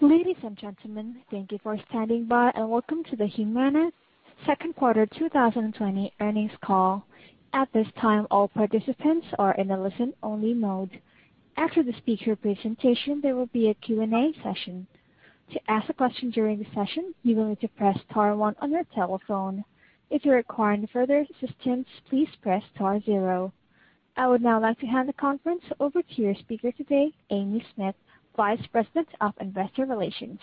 Ladies and gentlemen, thank you for standing by and welcome to the Humana second quarter 2020 earnings call. At this time, all participants are in a listen-only mode. After the speaker presentation, there will be a Q&A session. To ask a question during the session, you will need to press star one on your telephone. If you require any further assistance, please press star zero. I would now like to hand the conference over to your speaker today, Amy Smith, Vice President of Investor Relations.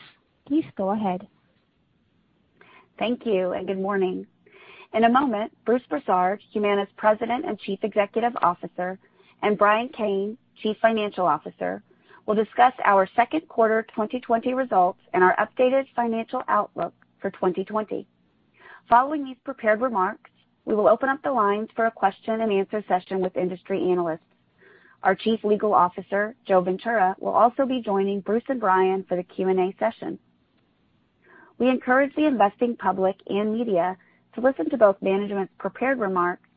Please go ahead. Thank you. Good morning. In a moment, Bruce Broussard, Humana's President and Chief Executive Officer, and Brian Kane, Chief Financial Officer, will discuss our second quarter 2020 results and our updated financial outlook for 2020. Following these prepared remarks, we will open up the lines for a question-and-answer session with industry analysts. Our Chief Legal Officer, Joe Ventura, will also be joining Bruce and Brian for the Q&A session. We encourage the investing public and media to listen to both management's prepared remarks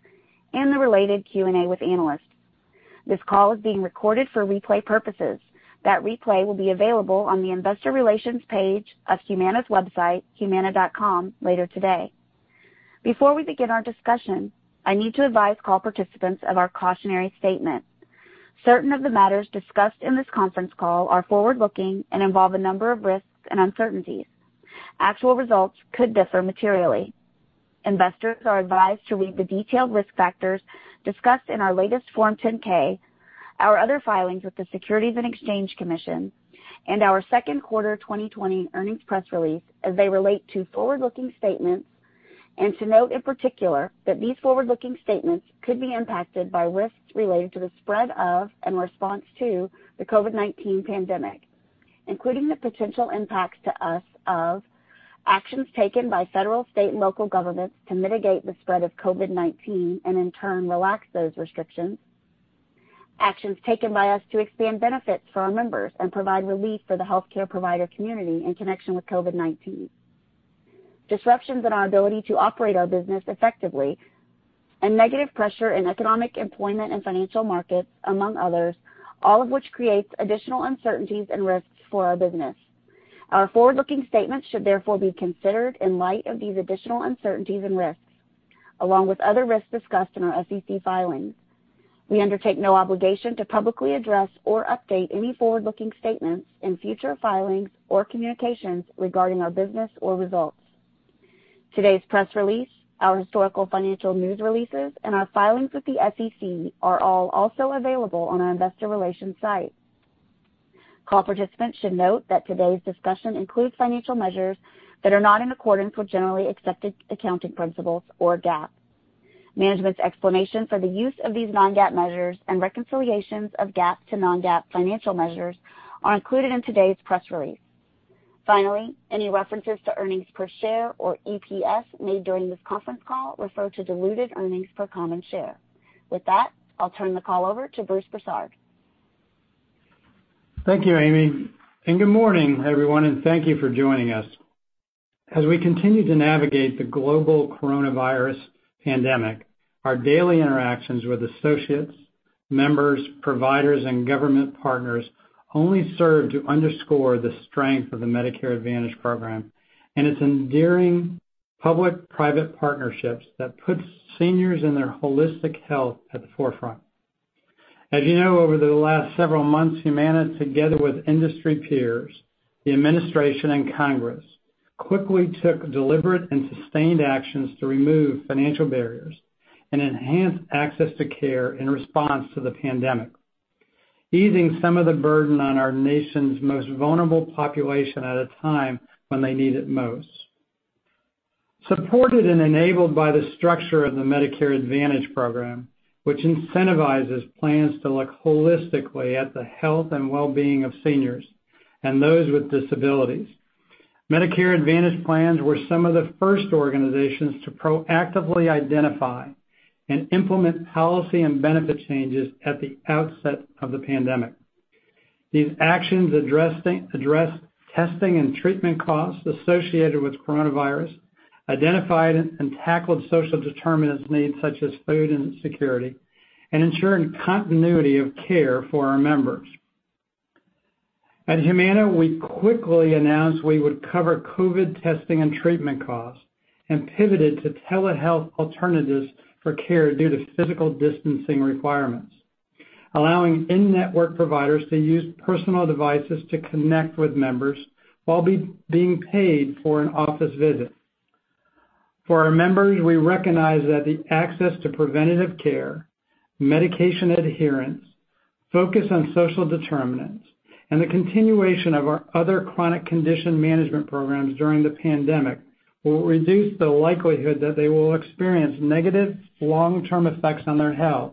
and the related Q&A with analysts. This call is being recorded for replay purposes. That replay will be available on the Investor Relations page of Humana's website, humana.com, later today. Before we begin our discussion, I need to advise call participants of our cautionary statement. Certain of the matters discussed in this conference call are forward-looking and involve a number of risks and uncertainties. Actual results could differ materially. Investors are advised to read the detailed risk factors discussed in our latest Form 10-K, our other filings with the Securities and Exchange Commission, and our second quarter 2020 earnings press release as they relate to forward-looking statements, and to note in particular that these forward-looking statements could be impacted by risks related to the spread of and response to the COVID-19 pandemic. Including the potential impacts to us of actions taken by federal, state, and local governments to mitigate the spread of COVID-19, and in turn, relax those restrictions. Actions taken by us to expand benefits for our members and provide relief for the healthcare provider community in connection with COVID-19. Disruptions in our ability to operate our business effectively. Negative pressure in economic employment and financial markets, among others, all of which creates additional uncertainties and risks for our business. Our forward-looking statements should therefore be considered in light of these additional uncertainties and risks, along with other risks discussed in our SEC filings. We undertake no obligation to publicly address or update any forward-looking statements in future filings or communications regarding our business or results. Today's press release, our historical financial news releases, and our filings with the SEC are all also available on our Investor Relations site. Call participants should note that today's discussion includes financial measures that are not in accordance with generally accepted accounting principles or GAAP. Management's explanation for the use of these non-GAAP measures and reconciliations of GAAP to non-GAAP financial measures are included in today's press release. Finally, any references to earnings per share or EPS made during this conference call refer to diluted earnings per common share. With that, I'll turn the call over to Bruce Broussard. Thank you, Amy, and good morning, everyone, and thank you for joining us. As we continue to navigate the global coronavirus pandemic, our daily interactions with associates, members, providers, and government partners only serve to underscore the strength of the Medicare Advantage program and its enduring public-private partnerships that puts seniors and their holistic health at the forefront. As you know, over the last several months, Humana, together with industry peers, the administration, and Congress, quickly took deliberate and sustained actions to remove financial barriers and enhance access to care in response to the pandemic, easing some of the burden on our nation's most vulnerable population at a time when they need it most. Supported and enabled by the structure of the Medicare Advantage program, which incentivizes plans to look holistically at the health and wellbeing of seniors and those with disabilities. Medicare Advantage plans were some of the first organizations to proactively identify and implement policy and benefit changes at the outset of the pandemic. These actions address testing and treatment costs associated with coronavirus, identified and tackled social determinants needs such as food and security, and ensuring continuity of care for our members. At Humana, we quickly announced we would cover COVID testing and treatment costs and pivoted to telehealth alternatives for care due to physical distancing requirements, allowing in-network providers to use personal devices to connect with members while being paid for an office visit. For our members, we recognize that the access to preventative care, medication adherence, focus on social determinants, and the continuation of our other chronic condition management programs during the pandemic will reduce the likelihood that they will experience negative long-term effects on their health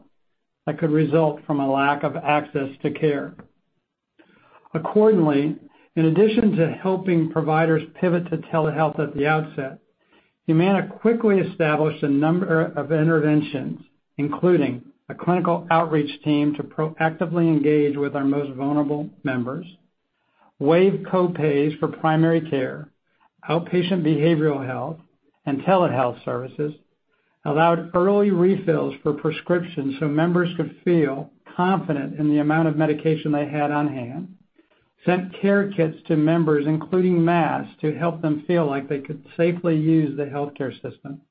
that could result from a lack of access to care. Accordingly, in addition to helping providers pivot to telehealth at the outset, Humana quickly established a number of interventions, including a clinical outreach team to proactively engage with our most vulnerable members. Waived co-pays for primary care, outpatient behavioral health, and telehealth services, allowed early refills for prescriptions so members could feel confident in the amount of medication they had on hand, sent care kits to members, including masks, to help them feel like they could safely use the healthcare system,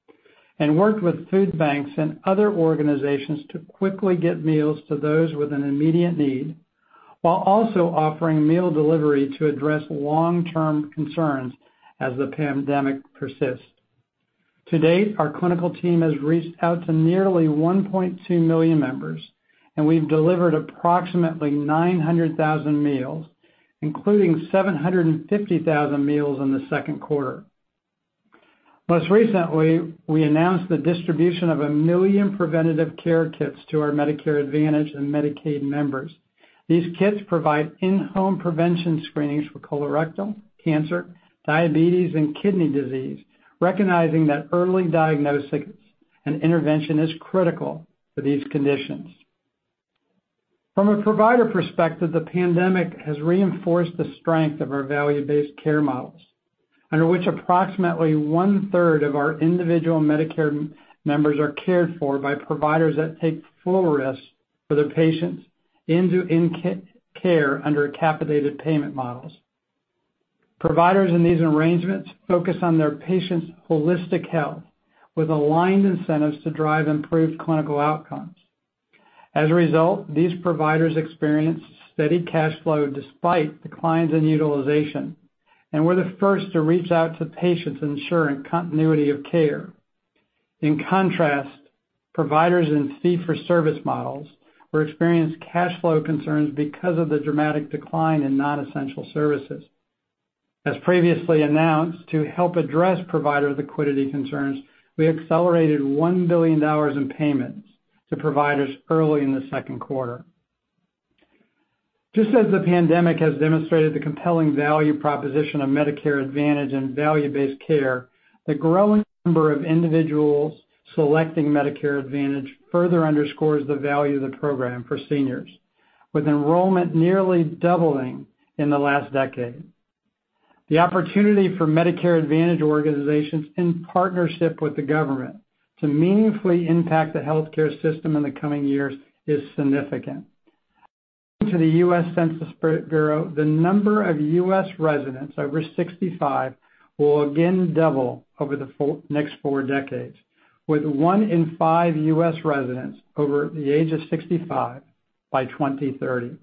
and worked with food banks and other organizations to quickly get meals to those with an immediate need, while also offering meal delivery to address long-term concerns as the pandemic persists. To date, our clinical team has reached out to nearly 1.2 million members, and we've delivered approximately 900,000 meals, including 750,000 meals in the second quarter. Most recently, we announced the distribution of a million preventative care kits to our Medicare Advantage and Medicaid members. These kits provide in-home prevention screenings for colorectal cancer, diabetes, and kidney disease, recognizing that early diagnosis and intervention is critical for these conditions. From a provider perspective, the pandemic has reinforced the strength of our value-based care models, under which approximately one-third of our individual Medicare members are cared for by providers that take full risk for their patients end-to-end care under capitated payment models. Providers in these arrangements focus on their patients' holistic health with aligned incentives to drive improved clinical outcomes. As a result, these providers experienced steady cash flow despite declines in utilization and were the first to reach out to patients ensuring continuity of care. In contrast, providers in fee-for-service models experienced cash flow concerns because of the dramatic decline in non-essential services. As previously announced, to help address provider liquidity concerns, we accelerated $1 billion in payments to providers early in the second quarter. Just as the pandemic has demonstrated the compelling value proposition of Medicare Advantage and value-based care, the growing number of individuals selecting Medicare Advantage further underscores the value of the program for seniors, with enrollment nearly doubling in the last decade. The opportunity for Medicare Advantage organizations in partnership with the government to meaningfully impact the healthcare system in the coming years is significant. According to the U.S. Census Bureau, the number of U.S. residents over 65 will again double over the next four decades, with one in five U.S. residents over the age of 65 by 2030.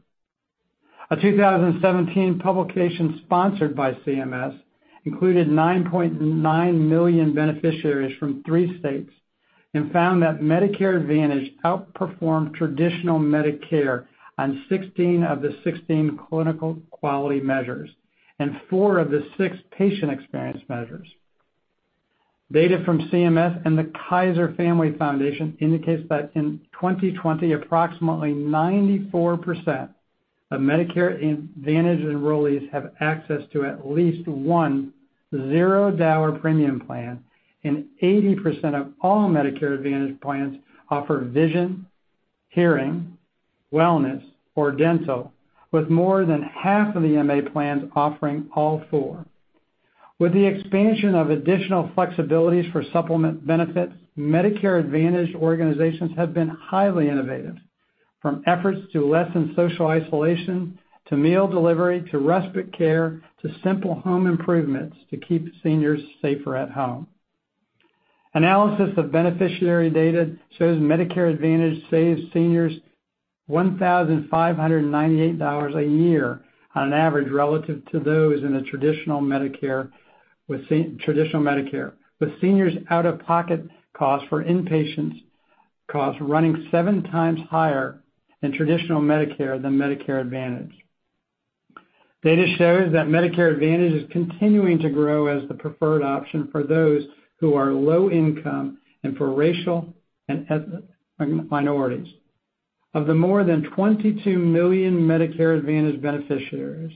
A 2017 publication sponsored by CMS included 9.9 million beneficiaries from three states and found that Medicare Advantage outperformed Traditional Medicare on 16 of the 16 clinical quality measures and four of the six patient experience measures. Data from CMS and the Kaiser Family Foundation indicates that in 2020, approximately 94% of Medicare Advantage enrollees have access to at least one $0 premium plan, and 80% of all Medicare Advantage plans offer vision, hearing, wellness, or dental, with more than half of the MA plans offering all four. With the expansion of additional flexibilities for supplemental benefits, Medicare Advantage organizations have been highly innovative. From efforts to lessen social isolation, to meal delivery, to respite care, to simple home improvements to keep seniors safer at home. Analysis of beneficiary data shows Medicare Advantage saves seniors $1,598 a year on average, relative to those in the Traditional Medicare. With seniors' out-of-pocket costs for inpatient costs running seven times higher in traditional Medicare than Medicare Advantage. Data shows that Medicare Advantage is continuing to grow as the preferred option for those who are low income and for racial and ethnic minorities. Of the more than 22 million Medicare Advantage beneficiaries,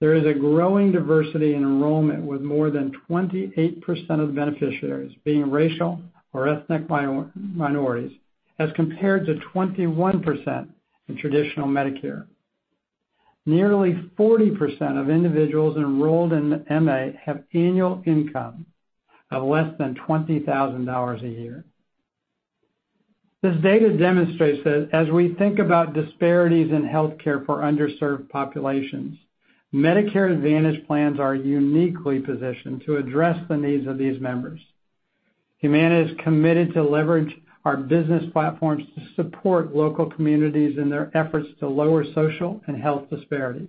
there is a growing diversity in enrollment, with more than 28% of beneficiaries being racial or ethnic minorities, as compared to 21% in traditional Medicare. Nearly 40% of individuals enrolled in MA have annual income of less than $20,000 a year. This data demonstrates that as we think about disparities in healthcare for underserved populations, Medicare Advantage plans are uniquely positioned to address the needs of these members. Humana is committed to leverage our business platforms to support local communities in their efforts to lower social and health disparities.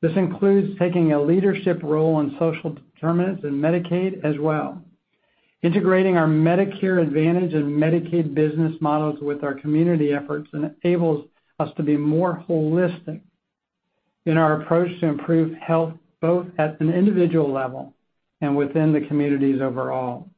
This includes taking a leadership role on social determinants in Medicaid as well. Integrating our Medicare Advantage and Medicaid business models with our community efforts enables us to be more holistic in our approach to improve health, both at an individual level and within the communities overall.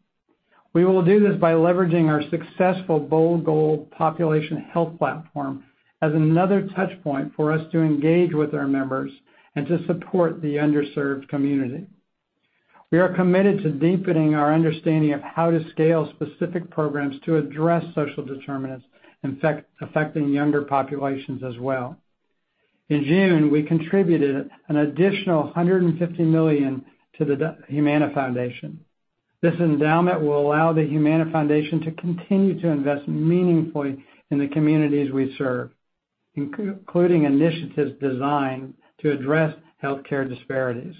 We will do this by leveraging our successful Bold Goal Population Health platform as another touchpoint for us to engage with our members and to support the underserved community. We are committed to deepening our understanding of how to scale specific programs to address social determinants affecting younger populations as well. In June, we contributed an additional $150 million to the Humana Foundation. This endowment will allow the Humana Foundation to continue to invest meaningfully in the communities we serve, including initiatives designed to address healthcare disparities.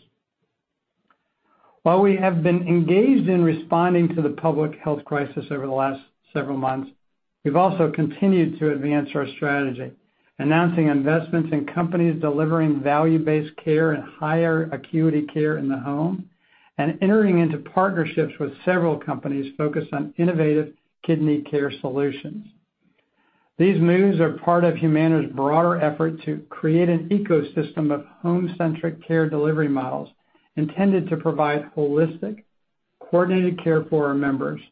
While we have been engaged in responding to the public health crisis over the last several months, we've also continued to advance our strategy, announcing investments in companies delivering value-based care and higher acuity care in the home, and entering into partnerships with several companies focused on innovative kidney care solutions. These moves are part of Humana's broader effort to create an ecosystem of home-centric care delivery models intended to provide holistic, coordinated care for our members,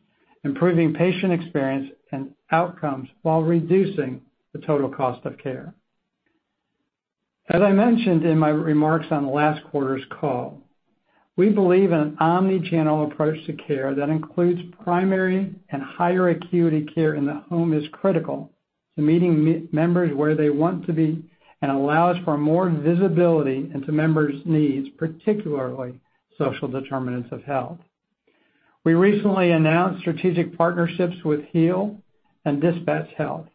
improving patient experience and outcomes while reducing the total cost of care. As I mentioned in my remarks on last quarter's call, we believe an omnichannel approach to care that includes primary and higher acuity care in the home is critical to meeting members where they want to be and allows for more visibility into members' needs, particularly social determinants of health. We recently announced strategic partnerships with Heal and DispatchHealth.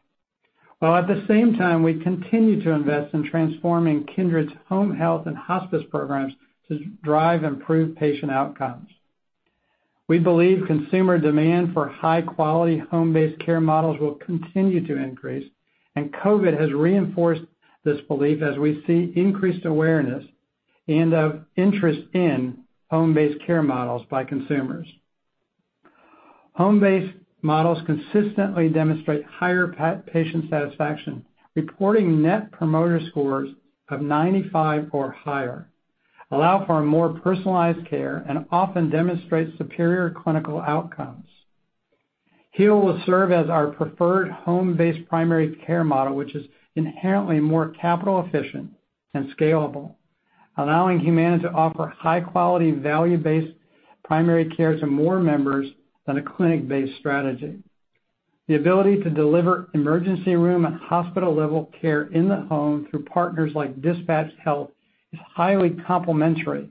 While at the same time, we continue to invest in transforming Kindred's Home health and Hospice programs to drive improved patient outcomes. We believe consumer demand for high-quality home-based care models will continue to increase, COVID has reinforced this belief as we see increased awareness and of interest in home-based care models by consumers. Home-based models consistently demonstrate higher patient satisfaction, reporting Net Promoter Scores of 95 or higher, allow for more personalized care, and often demonstrate superior clinical outcomes. Heal will serve as our preferred home-based primary care model, which is inherently more capital efficient and scalable, allowing Humana to offer high-quality, value-based primary care to more members than a clinic-based strategy. The ability to deliver emergency room and hospital-level care in the home through partners like DispatchHealth is highly complementary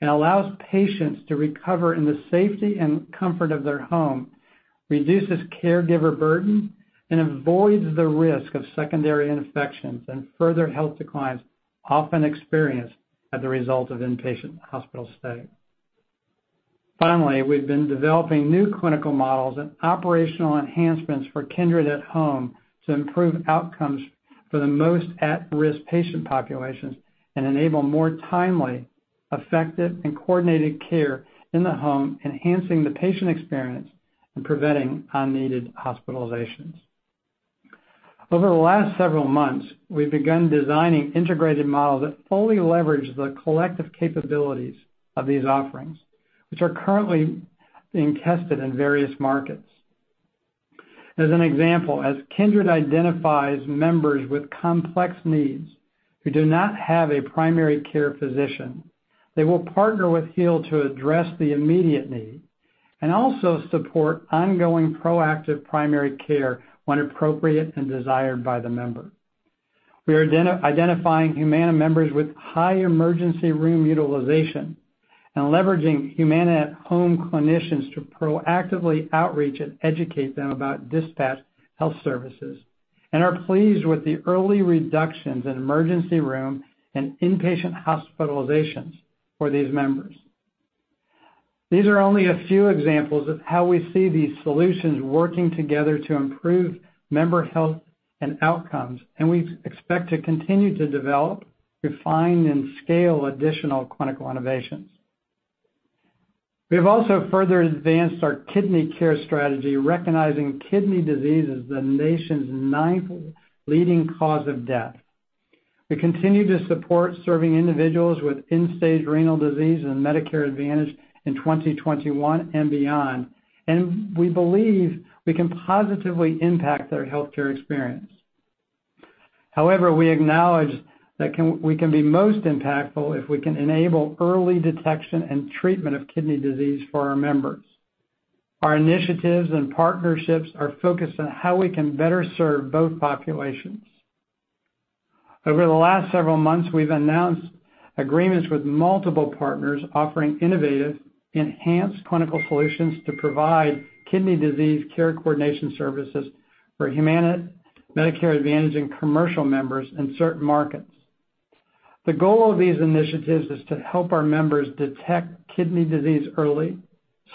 and allows patients to recover in the safety and comfort of their home, reduces caregiver burden, and avoids the risk of secondary infections and further health declines often experienced as a result of inpatient hospital stay. Finally, we've been developing new clinical models and operational enhancements for Kindred at Home to improve outcomes for the most at-risk patient populations and enable more timely, effective, and coordinated care in the home, enhancing the patient experience and preventing unneeded hospitalizations. Over the last several months, we've begun designing integrated models that fully leverage the collective capabilities of these offerings, which are currently being tested in various markets. As an example, as Kindred identifies members with complex needs who do not have a primary care physician, they will partner with Heal to address the immediate need and also support ongoing proactive primary care when appropriate and desired by the member. We are identifying Humana members with high emergency room utilization and leveraging Humana at Home clinicians to proactively outreach and educate them about DispatchHealth services and are pleased with the early reductions in emergency room and inpatient hospitalizations for these members. These are only a few examples of how we see these solutions working together to improve member health and outcomes, and we expect to continue to develop, refine, and scale additional clinical innovations. We have also further advanced our kidney care strategy, recognizing kidney disease as the nation's ninth leading cause of death. We continue to support serving individuals with end-stage renal disease and Medicare Advantage in 2021 and beyond. We believe we can positively impact their healthcare experience. However, we acknowledge that we can be most impactful if we can enable early detection and treatment of kidney disease for our members. Our initiatives and partnerships are focused on how we can better serve both populations. Over the last several months, we've announced agreements with multiple partners offering innovative, enhanced clinical solutions to provide kidney disease care coordination services for Humana Medicare Advantage and commercial members in certain markets. The goal of these initiatives is to help our members detect kidney disease early,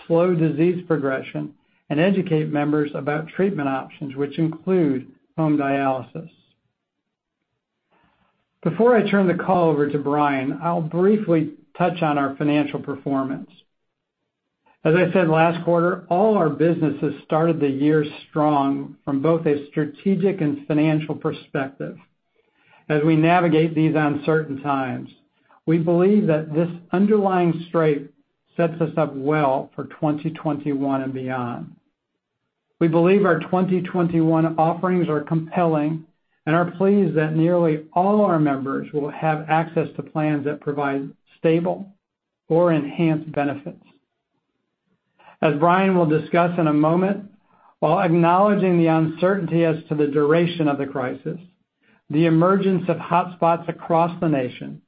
slow disease progression, and educate members about treatment options, which include home dialysis. Before I turn the call over to Brian, I'll briefly touch on our financial performance. As I said last quarter, all our businesses started the year strong from both a strategic and financial perspective. As we navigate these uncertain times, we believe that this underlying strength sets us up well for 2021 and beyond. We believe our 2021 offerings are compelling and are pleased that nearly all our members will have access to plans that provide stable or enhanced benefits. As Brian will discuss in a moment, while acknowledging the uncertainty as to the duration of the crisis, the emergence of hotspots across the nation,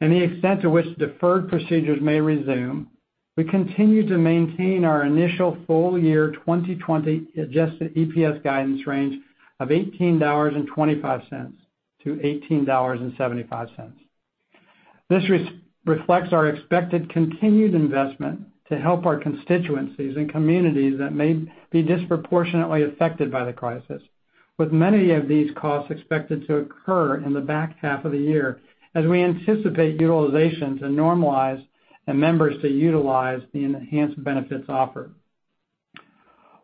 and the extent to which deferred procedures may resume, we continue to maintain our initial full-year 2020 adjusted EPS guidance range of $18.25-$18.75. This reflects our expected continued investment to help our constituencies and communities that may be disproportionately affected by the crisis. With many of these costs expected to occur in the back half of the year, as we anticipate utilization to normalize and members to utilize the enhanced benefits offered.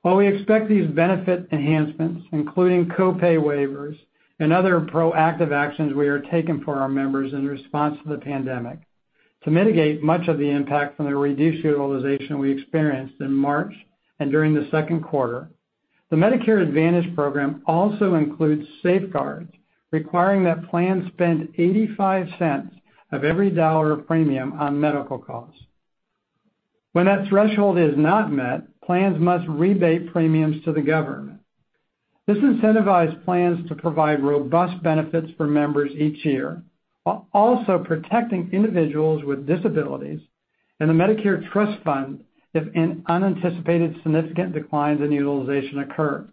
While we expect these benefit enhancements, including co-pay waivers and other proactive actions we are taking for our members in response to the pandemic to mitigate much of the impact from the reduced utilization we experienced in March and during the second quarter, the Medicare Advantage program also includes safeguards requiring that plans spend $0.85 of every dollar of premium on medical costs. When that threshold is not met, plans must rebate premiums to the government. This incentivizes plans to provide robust benefits for members each year, while also protecting individuals with disabilities and the Medicare trust fund if an unanticipated significant declines in utilization occur.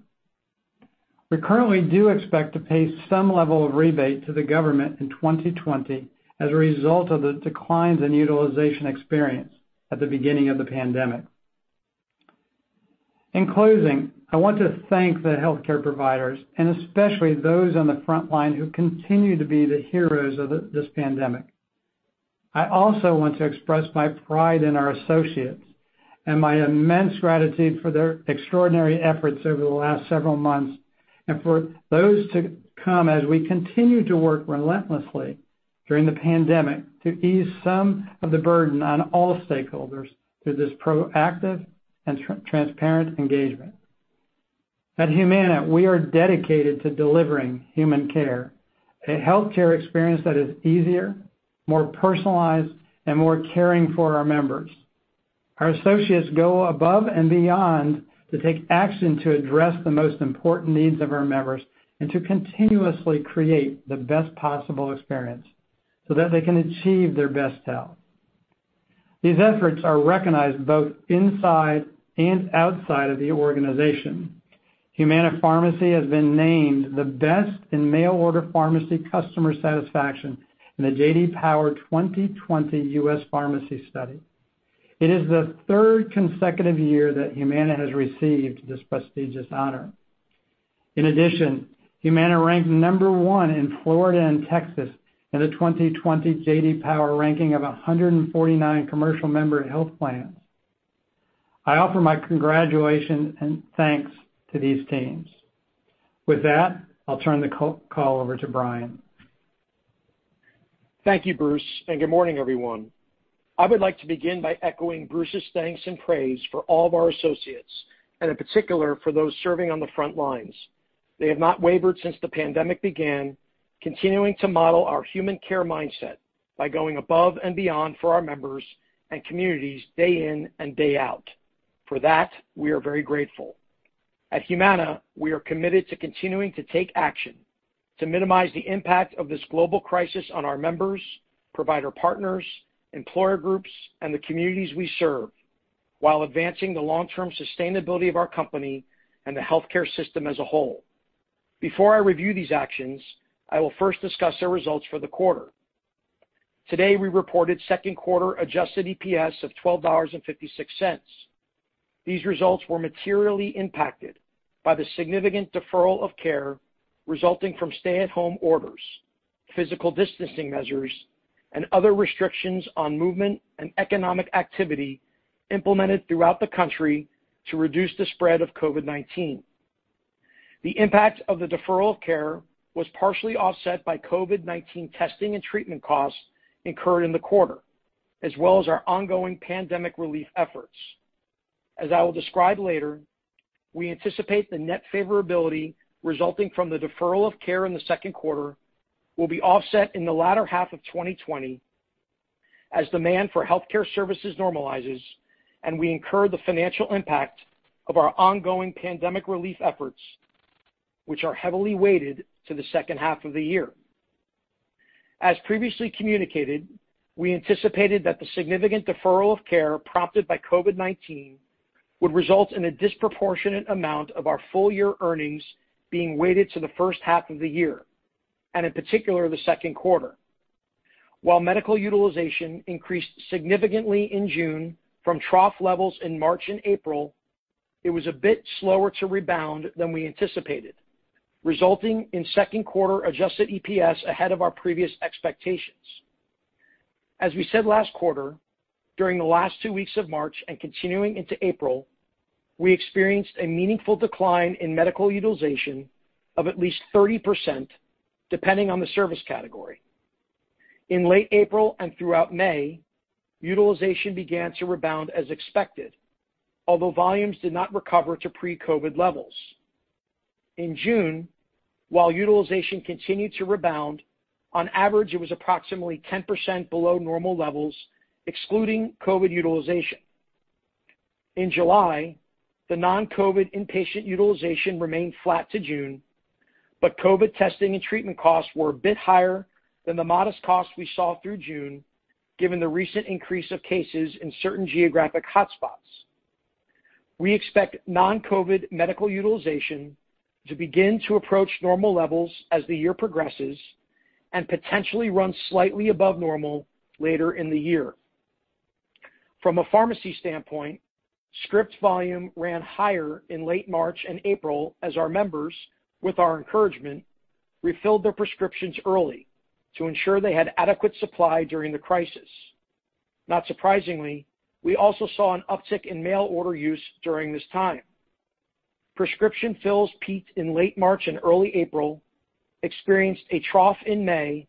We currently do expect to pay some level of rebate to the government in 2020 as a result of the declines in utilization experienced at the beginning of the pandemic. In closing, I want to thank the healthcare providers, and especially those on the front-line who continue to be the heroes of this pandemic. I also want to express my pride in our associates and my immense gratitude for their extraordinary efforts over the last several months and for those to come as we continue to work relentlessly during the pandemic to ease some of the burden on all stakeholders through this proactive and transparent engagement. At Humana, we are dedicated to delivering human care, a healthcare experience that is easier, more personalized, and more caring for our members. Our associates go above and beyond to take action to address the most important needs of our members and to continuously create the best possible experience so that they can achieve their best health. These efforts are recognized both inside and outside of the organization. Humana Pharmacy has been named the best in mail-order pharmacy customer satisfaction in the J.D. Power 2020 U.S. Pharmacy Study. It is the third consecutive year that Humana has received this prestigious honor. In addition, Humana ranked number one in Florida and Texas in the 2020 J.D. Power ranking of 149 commercial member health plans. I offer my congratulations and thanks to these teams. With that, I'll turn the call over to Brian. Thank you, Bruce. Good morning, everyone. I would like to begin by echoing Bruce's thanks and praise for all of our associates, and in particular, for those serving on the front lines. They have not wavered since the pandemic began, continuing to model our human care mindset by going above and beyond for our members and communities day in and day out. For that, we are very grateful. At Humana, we are committed to continuing to take action to minimize the impact of this global crisis on our members, provider partners, employer groups, and the communities we serve, while advancing the long-term sustainability of our company and the healthcare system as a whole. Before I review these actions, I will first discuss our results for the quarter. Today, we reported second quarter adjusted EPS of $12.56. These results were materially impacted by the significant deferral of care resulting from stay-at-home orders, physical distancing measures, and other restrictions on movement and economic activity implemented throughout the country to reduce the spread of COVID-19. The impact of the deferral of care was partially offset by COVID-19 testing and treatment costs incurred in the quarter, as well as our ongoing pandemic relief efforts. As I will describe later, we anticipate the net favorability resulting from the deferral of care in the second quarter will be offset in the latter half of 2020 as demand for healthcare services normalizes and we incur the financial impact of our ongoing pandemic relief efforts, which are heavily weighted to the second half of the year. As previously communicated, we anticipated that the significant deferral of care prompted by COVID-19 would result in a disproportionate amount of our full-year earnings being weighted to the first half of the year, and in particular, the second quarter. While medical utilization increased significantly in June from trough levels in March and April, it was a bit slower to rebound than we anticipated, resulting in second quarter adjusted EPS ahead of our previous expectations. As we said last quarter, during the last two weeks of March and continuing into April, we experienced a meaningful decline in medical utilization of at least 30%, depending on the service category. In late April and throughout May, utilization began to rebound as expected, although volumes did not recover to pre-COVID levels. In June, while utilization continued to rebound, on average, it was approximately 10% below normal levels, excluding COVID utilization. In July, the non-COVID inpatient utilization remained flat to June, but COVID testing and treatment costs were a bit higher than the modest costs we saw through June, given the recent increase of cases in certain geographic hotspots. We expect non-COVID medical utilization to begin to approach normal levels as the year progresses and potentially run slightly above normal later in the year. From a pharmacy standpoint, script volume ran higher in late March and April as our members, with our encouragement, refilled their prescriptions early to ensure they had adequate supply during the crisis. Not surprisingly, we also saw an uptick in mail-order use during this time. Prescription fills peaked in late March and early April, experienced a trough in May,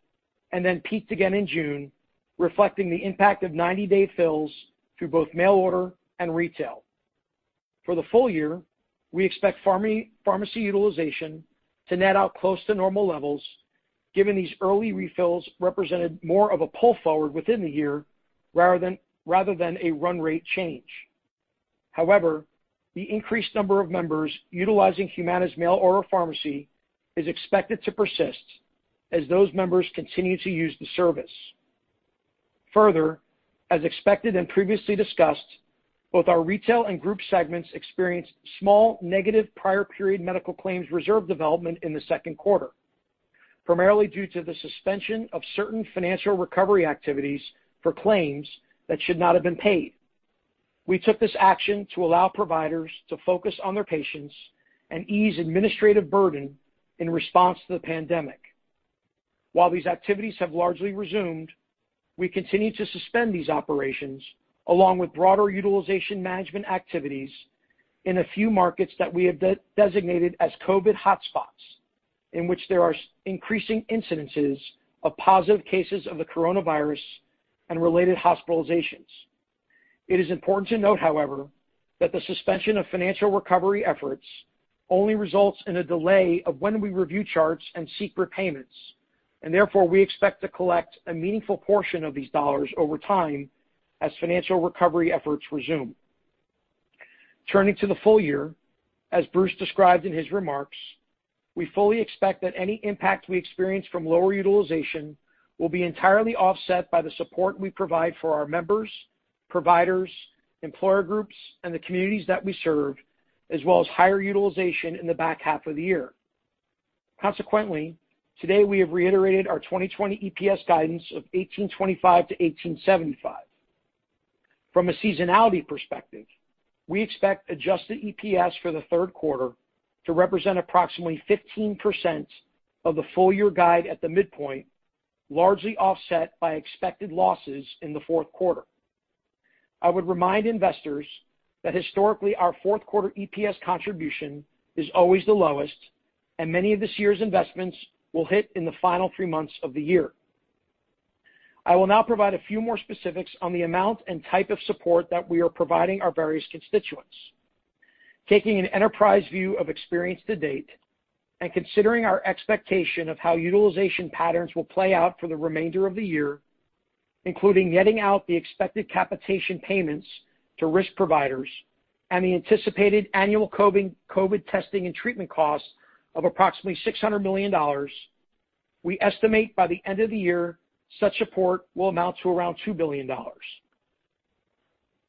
and then peaked again in June, reflecting the impact of 90-day fills through both mail-order and retail. For the full year, we expect pharmacy utilization to net out close to normal levels, given these early refills represented more of a pull forward within the year rather than a run-rate change. The increased number of members utilizing Humana mail-order pharmacy is expected to persist as those members continue to use the service. As expected and previously discussed, both our retail and group segments experienced small negative prior period medical claims reserve development in the second quarter, primarily due to the suspension of certain financial recovery activities for claims that should not have been paid. We took this action to allow providers to focus on their patients and ease administrative burden in response to the pandemic. While these activities have largely resumed, we continue to suspend these operations along with broader utilization management activities in a few markets that we have designated as COVID hotspots, in which there are increasing incidences of positive cases of the coronavirus and related hospitalizations. It is important to note, however, that the suspension of financial recovery efforts only results in a delay of when we review charts and seek repayments, and therefore, we expect to collect a meaningful portion of these dollars over time as financial recovery efforts resume. Turning to the full-year, as Bruce described in his remarks, we fully expect that any impact we experience from lower utilization will be entirely offset by the support we provide for our members, providers, employer groups, and the communities that we serve, as well as higher utilization in the back half of the year. Today, we have reiterated our 2020 EPS guidance of $18.25-$18.75. From a seasonality perspective, we expect adjusted EPS for the third quarter to represent approximately 15% of the full-year guide at the midpoint, largely offset by expected losses in the fourth quarter. I would remind investors that historically, our fourth quarter EPS contribution is always the lowest, and many of this year's investments will hit in the final three months of the year. I will now provide a few more specifics on the amount and type of support that we are providing our various constituents. Taking an enterprise view of experience-to-date and considering our expectation of how utilization patterns will play out for the remainder of the year, including netting out the expected capitation payments to risk providers and the anticipated annual COVID testing and treatment costs of approximately $600 million, we estimate by the end of the year, such support will amount to around $2 billion.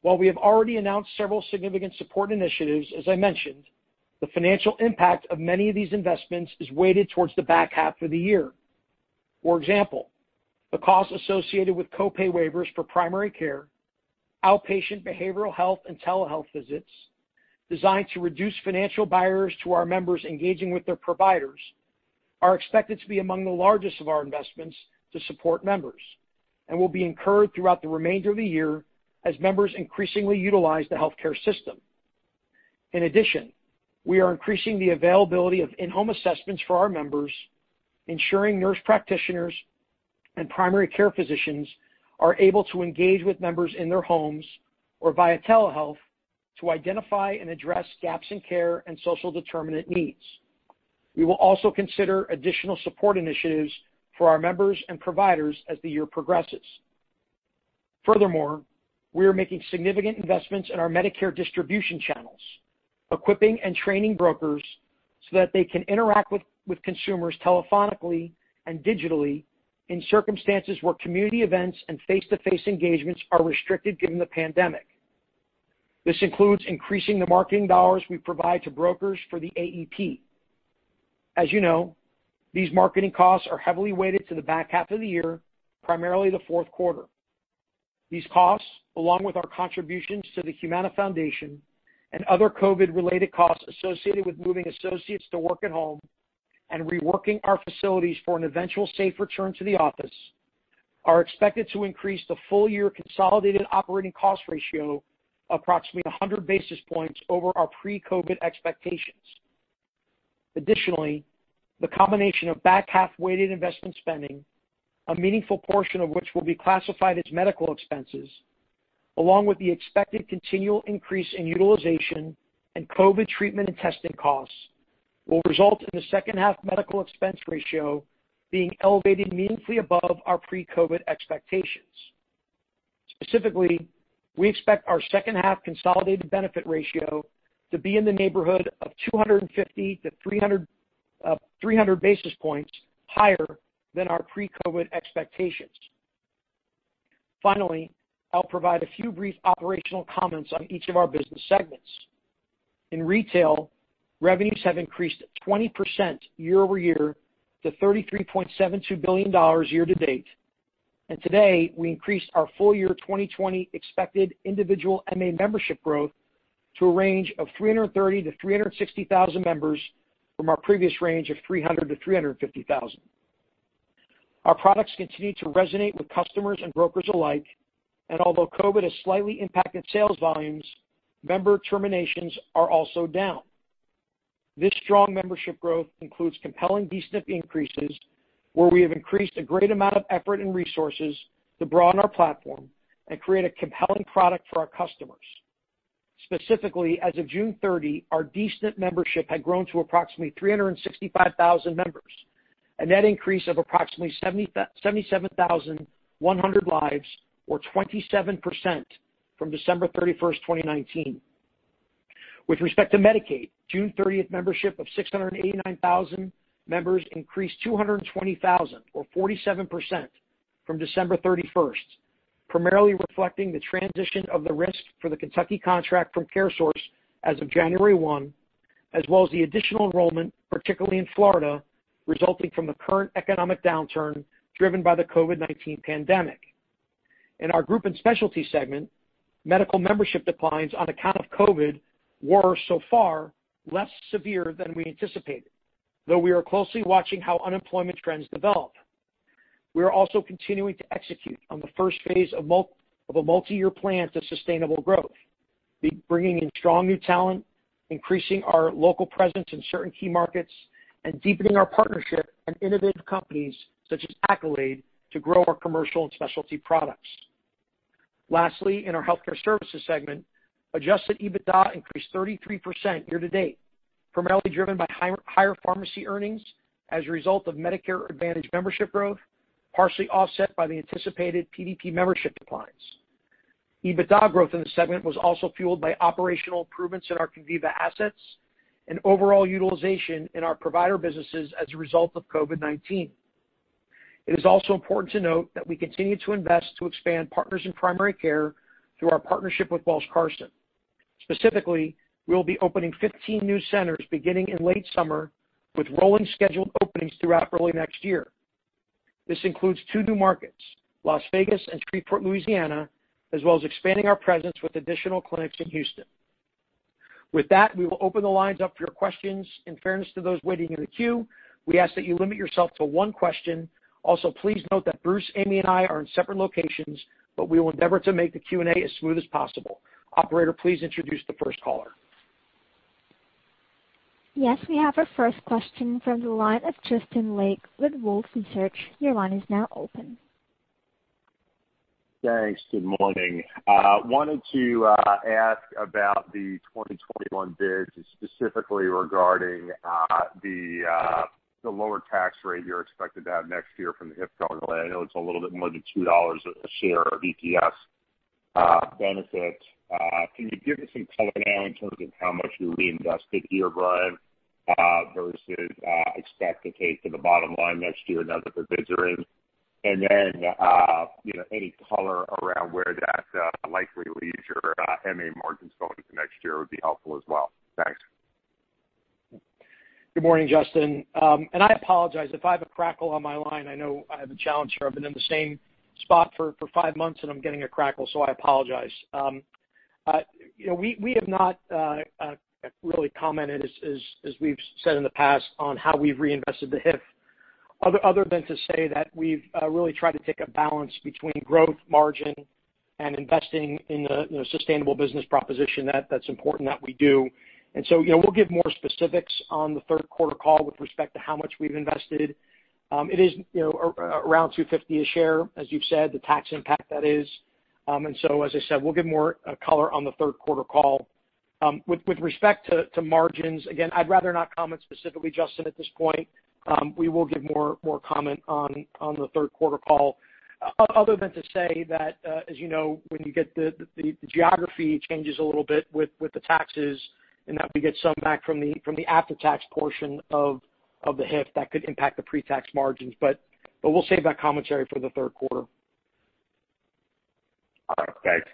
While we have already announced several significant support initiatives, as I mentioned, the financial impact of many of these investments is weighted towards the back half of the year. For example, the cost associated with co-pay waivers for primary care, outpatient behavioral health, and telehealth visits designed to reduce financial barriers to our members engaging with their providers, are expected to be among the largest of our investments to support members and will be incurred throughout the remainder of the year as members increasingly utilize the healthcare system. In addition, we are increasing the availability of in-home assessments for our members, ensuring nurse practitioners and primary care physicians are able to engage with members in their homes or via telehealth to identify and address gaps in care and social determinant needs. We will also consider additional support initiatives for our members and providers as the year progresses. Furthermore, we are making significant investments in our Medicare distribution channels, equipping and training brokers so that they can interact with consumers telephonically and digitally in circumstances where community events and face-to-face engagements are restricted given the pandemic. This includes increasing the marketing dollars we provide to brokers for the AEP. As you know, these marketing costs are heavily weighted to the back half of the year, primarily the fourth quarter. These costs, along with our contributions to the Humana Foundation and other COVID-related costs associated with moving associates to work at home and reworking our facilities for an eventual safe return to the office, are expected to increase the full-year consolidated operating cost ratio approximately 100 basis points over our pre-COVID expectations. The combination of back-half weighted investment spending, a meaningful portion of which will be classified as medical expenses, along with the expected continual increase in utilization and COVID treatment and testing costs, will result in the second half medical expense ratio being elevated meaningfully above our pre-COVID expectations. Specifically, we expect our second half consolidated benefit ratio to be in the neighborhood of 250 basis points-300 basis points higher than our pre-COVID expectations. I'll provide a few brief operational comments on each of our business segments. In Retail, revenues have increased 20% year-over-year to $33.72 billion year-to-date. Today, we increased our full year 2020 expected individual MA membership growth to a range of 330,000-360,000 members from our previous range of 300,000-350,000. Our products continue to resonate with customers and brokers alike, and although COVID has slightly impacted sales volumes, member terminations are also down. This strong membership growth includes compelling D-SNP increases, where we have increased a great amount of effort and resources to broaden our platform and create a compelling product for our customers. Specifically, as of June 30, our D-SNP membership had grown to approximately 365,000 members, a net increase of approximately 77,100 lives, or 27%, from December 31st, 2019. With respect to Medicaid, June 30th membership of 689,000 members increased 220,000, or 47%, from December 31st, primarily reflecting the transition of the risk for the Kentucky contract from CareSource as of January 1, as well as the additional enrollment, particularly in Florida, resulting from the current economic downturn driven by the COVID-19 pandemic. In our group and specialty segment, medical membership declines on account of COVID were so far less severe than we anticipated, though we are closely watching how unemployment trends develop. We are also continuing to execute on the first phase of a multi-year plan to sustainable growth, bringing in strong new talent, increasing our local presence in certain key markets, and deepening our partnership in innovative companies such as Accolade to grow our commercial and specialty products. Lastly, in our Healthcare Services Segment, adjusted EBITDA increased 33% year-to-date, primarily driven by higher pharmacy earnings as a result of Medicare Advantage membership growth, partially offset by the anticipated PDP membership declines. EBITDA growth in the segment was also fueled by operational improvements in our Conviva assets and overall utilization in our provider businesses as a result of COVID-19. It is also important to note that we continue to invest to expand partners in primary care through our partnership with Welsh, Carson. Specifically, we'll be opening 15 new centers beginning in late summer, with rolling scheduled openings throughout early next year. This includes two new markets, Las Vegas and Shreveport, Louisiana, as well as expanding our presence with additional clinics in Houston. With that, we will open the lines up for your questions. In fairness to those waiting in the queue, we ask that you limit yourself to one question. Please note that Bruce, Amy, and I are in separate locations, but we will endeavor to make the Q&A as smooth as possible. Operator, please introduce the first caller. Yes, we have our first question from the line of Justin Lake with Wolfe Research. Your line is now open. Thanks. Good morning. Wanted to ask about the 2021 bids, specifically regarding the lower tax rate you're expected to have next year from the [HIF giveaway. I know it's a little bit more than $2 a share of EPS benefit. Can you give us some color now in terms of how much you reinvested year-over-year, versus expect to take to the bottom line next year now that the bids are in? Any color around where that likely leaves your MA margins going into next year would be helpful as well. Thanks. Good morning, Justin. I apologize if I have a crackle on my line. I know I have a challenge here. I've been in the same spot for five months and I'm getting a crackle, so I apologize. We have not really commented, as we've said in the past, on how we've reinvested the HIF, other than to say that we've really tried to take a balance between growth, margin, and investing in a sustainable business proposition. That's important that we do. We'll give more specifics on the third quarter call with respect to how much we've invested. It is around $2.50 a share, as you've said, the tax impact, that is. As I said, we'll give more color on the third quarter call. With respect to margins, again, I'd rather not comment specifically, Justin, at this point. We will give more comment on the third quarter call. Other than to say that, as you know, when you get the geography changes a little bit with the taxes, and that we get some back from the after-tax portion of the HIF that could impact the pre-tax margins. We'll save that commentary for the third quarter. All right. Thanks.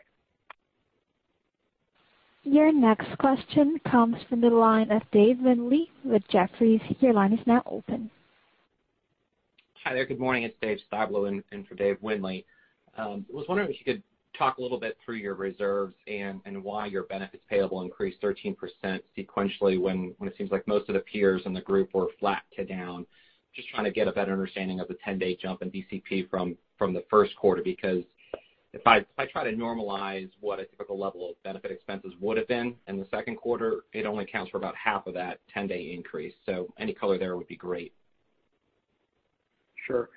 Your next question comes from the line of Dave Windley with Jefferies. Your line is now open. Hi there. Good morning. It's Dave Stablo in for Dave Windley. I was wondering if you could talk a little bit through your reserves and why your benefits payable increased 13% sequentially when it seems like most of the peers in the group were flat to down. Just trying to get a better understanding of the 10-day jump in DCP from the first quarter because. If I try to normalize what a typical level of benefit expenses would have been in the second quarter, it only accounts for about half of that 10-day increase. Any color there would be great. Sure.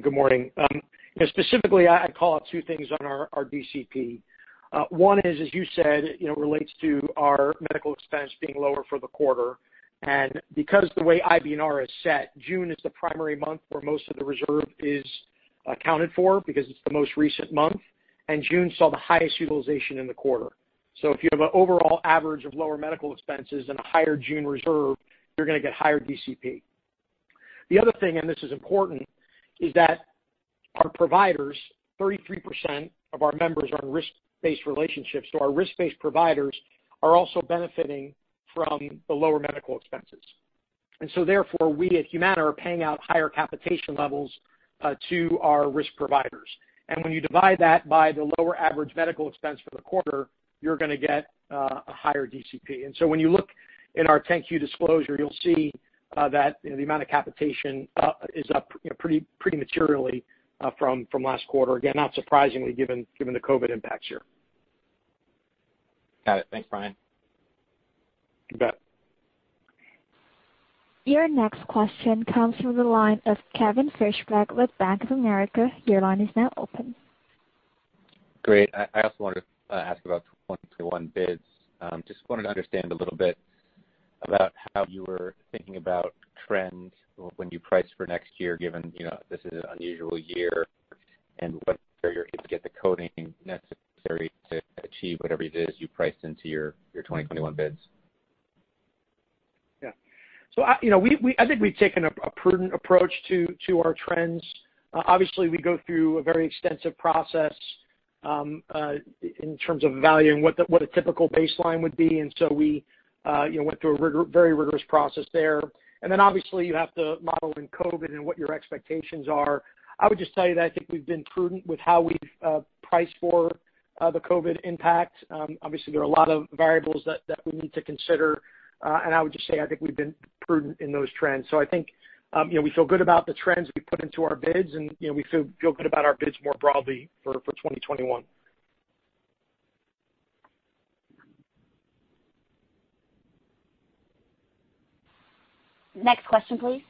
Good morning. Specifically, I'd call out two things on our DCP. One is, as you said, relates to our medical expense being lower for the quarter. Because the way IBNR is set, June is the primary month where most of the reserve is accounted for, because it's the most recent month, and June saw the highest utilization in the quarter. If you have an overall average of lower medical expenses and a higher June reserve, you're going to get higher DCP. The other thing, this is important, is that our providers, 33% of our members are on risk-based relationships. Our risk-based providers are also benefiting from the lower medical expenses. Therefore, we at Humana are paying out higher capitation levels to our risk providers. When you divide that by the lower average medical expense for the quarter, you're going to get a higher DCP. When you look in our 10-Q disclosure, you'll see that the amount of capitation is up pretty materially from last quarter. Again, not surprisingly, given the COVID impacts here. Got it. Thanks, Brian. You bet. Your next question comes from the line of Kevin Fischbeck with Bank of America. Your line is now open. Great. I also wanted to ask about 2021 bids. Just wanted to understand a little bit about how you were thinking about trend when you price for next year, given this is an unusual year, and what carrier could get the coding necessary to achieve whatever it is you priced into your 2021 bids. Yeah. I think we've taken a prudent approach to our trends. Obviously, we go through a very extensive process in terms of valuing what a typical baseline would be, and so we went through a very rigorous process there. Obviously you have to model in COVID and what your expectations are. I would just tell you that I think we've been prudent with how we've priced for the COVID impact. Obviously, there are a lot of variables that we need to consider. I would just say, I think we've been prudent in those trends. I think we feel good about the trends we put into our bids, and we feel good about our bids more broadly for 2021. Next question, please.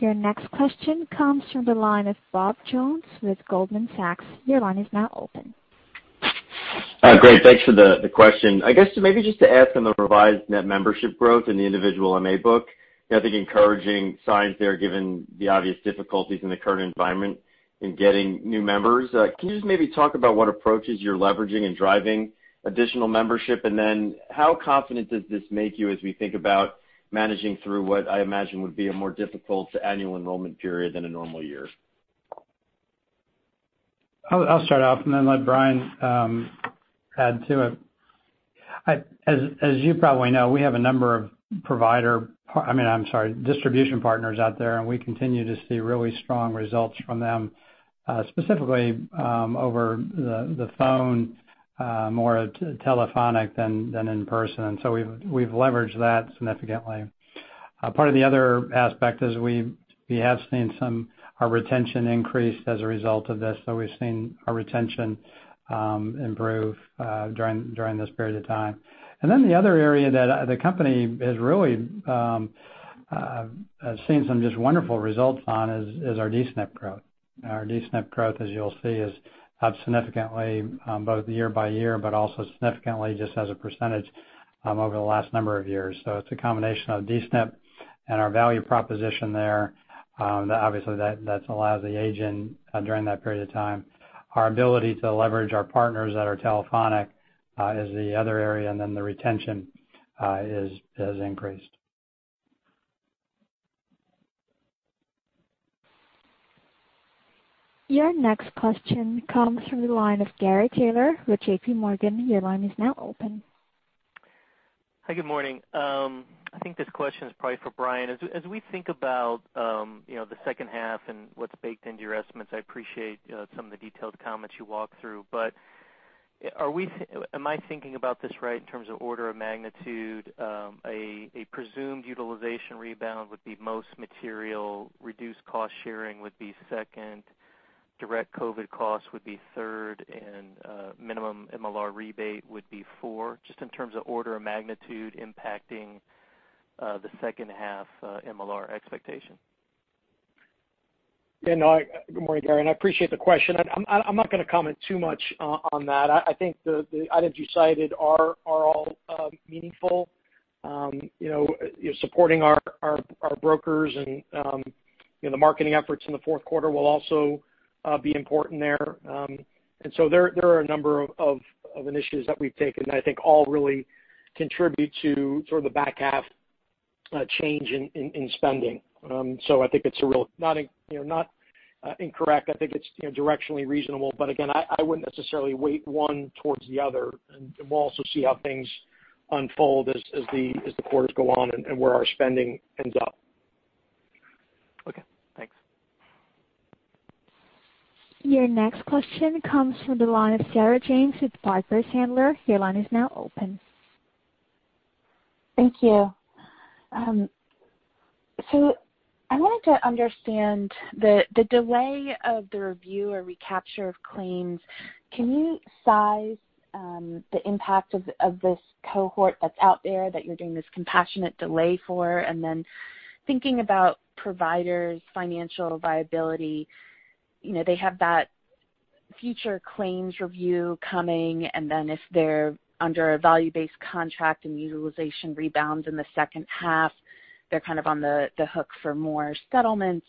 Your next question comes from the line of Bob Jones with Goldman Sachs. Your line is now open. Great. Thanks for the question. I guess maybe just to ask on the revised net membership growth in the individual MA book, I think encouraging signs there, given the obvious difficulties in the current environment in getting new members. Can you just maybe talk about what approaches you're leveraging in driving additional membership? How confident does this make you as we think about managing through what I imagine would be a more difficult Annual Enrollment Period than a normal year? I'll start off and then let Brian add to it. As you probably know, we have a number of distribution partners out there, and we continue to see really strong results from them, specifically, over the phone, more telephonic than in person. We've leveraged that significantly. Part of the other aspect is we have seen our retention increase as a result of this, so we've seen our retention improve during this period of time. The other area that the company has really seen some just wonderful results on is our D-SNP growth. Our D-SNP growth, as you'll see, is up significantly both year-by-year, but also significantly just as a percentage over the last number of years. It's a combination of D-SNP and our value proposition there. Obviously that's allowed the agent during that period of time. Our ability to leverage our partners that are telephonic is the other area, and then the retention has increased. Your next question comes from the line of Gary Taylor with JPMorgan. Your line is now open. Hi, good morning. I think this question is probably for Brian. As we think about the second half and what's baked into your estimates, I appreciate some of the detailed comments you walked through, but am I thinking about this right in terms of order of magnitude? A presumed utilization rebound would be most material, reduced cost sharing would be second, direct COVID costs would be third, and minimum MLR rebate would be four, just in terms of order of magnitude impacting the second half MLR expectation. Good morning, Gary, and I appreciate the question. I'm not going to comment too much on that. I think the items you cited are all meaningful. Supporting our brokers and the marketing efforts in the fourth quarter will also be important there. There are a number of initiatives that we've taken that I think all really contribute to sort of the back half change in spending. I think it's not incorrect. I think it's directionally reasonable. Again, I wouldn't necessarily weight one towards the other. We'll also see how things unfold as the quarters go on and where our spending ends up. Okay, thanks. Your next question comes from the line of Sarah James with Piper Sandler. Your line is now open. Thank you. I wanted to understand the delay of the review or recapture of claims. Can you size the impact of this cohort that's out there that you're doing this compassionate delay for? Thinking about providers' financial viability, they have that future claims review coming, and then if they're under a value-based contract and utilization rebounds in the second half, they're kind of on the hook for more settlements.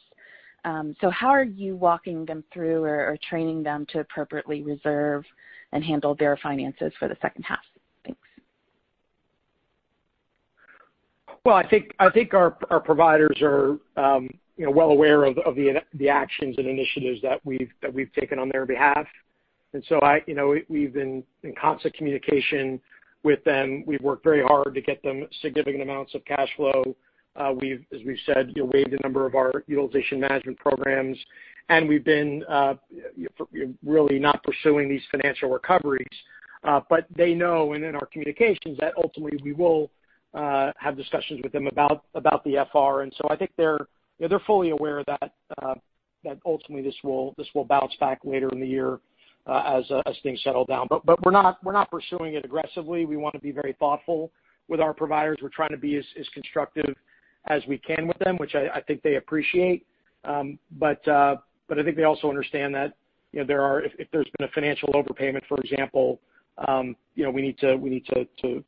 How are you walking them through or training them to appropriately reserve and handle their finances for the second half? Thanks. Well, I think our providers are well aware of the actions and initiatives that we've taken on their behalf. We've been in constant communication with them. We've worked very hard to get them significant amounts of cash flow. As we've said, waived a number of our utilization management programs, and we've been really not pursuing these financial recoveries. They know, and in our communications, that ultimately we will have discussions with them about the FR. I think they're fully aware that ultimately this will bounce back later in the year as things settle down. We're not pursuing it aggressively. We want to be very thoughtful with our providers. We're trying to be as constructive as we can with them, which I think they appreciate. I think they also understand that if there's been a financial overpayment, for example, we need to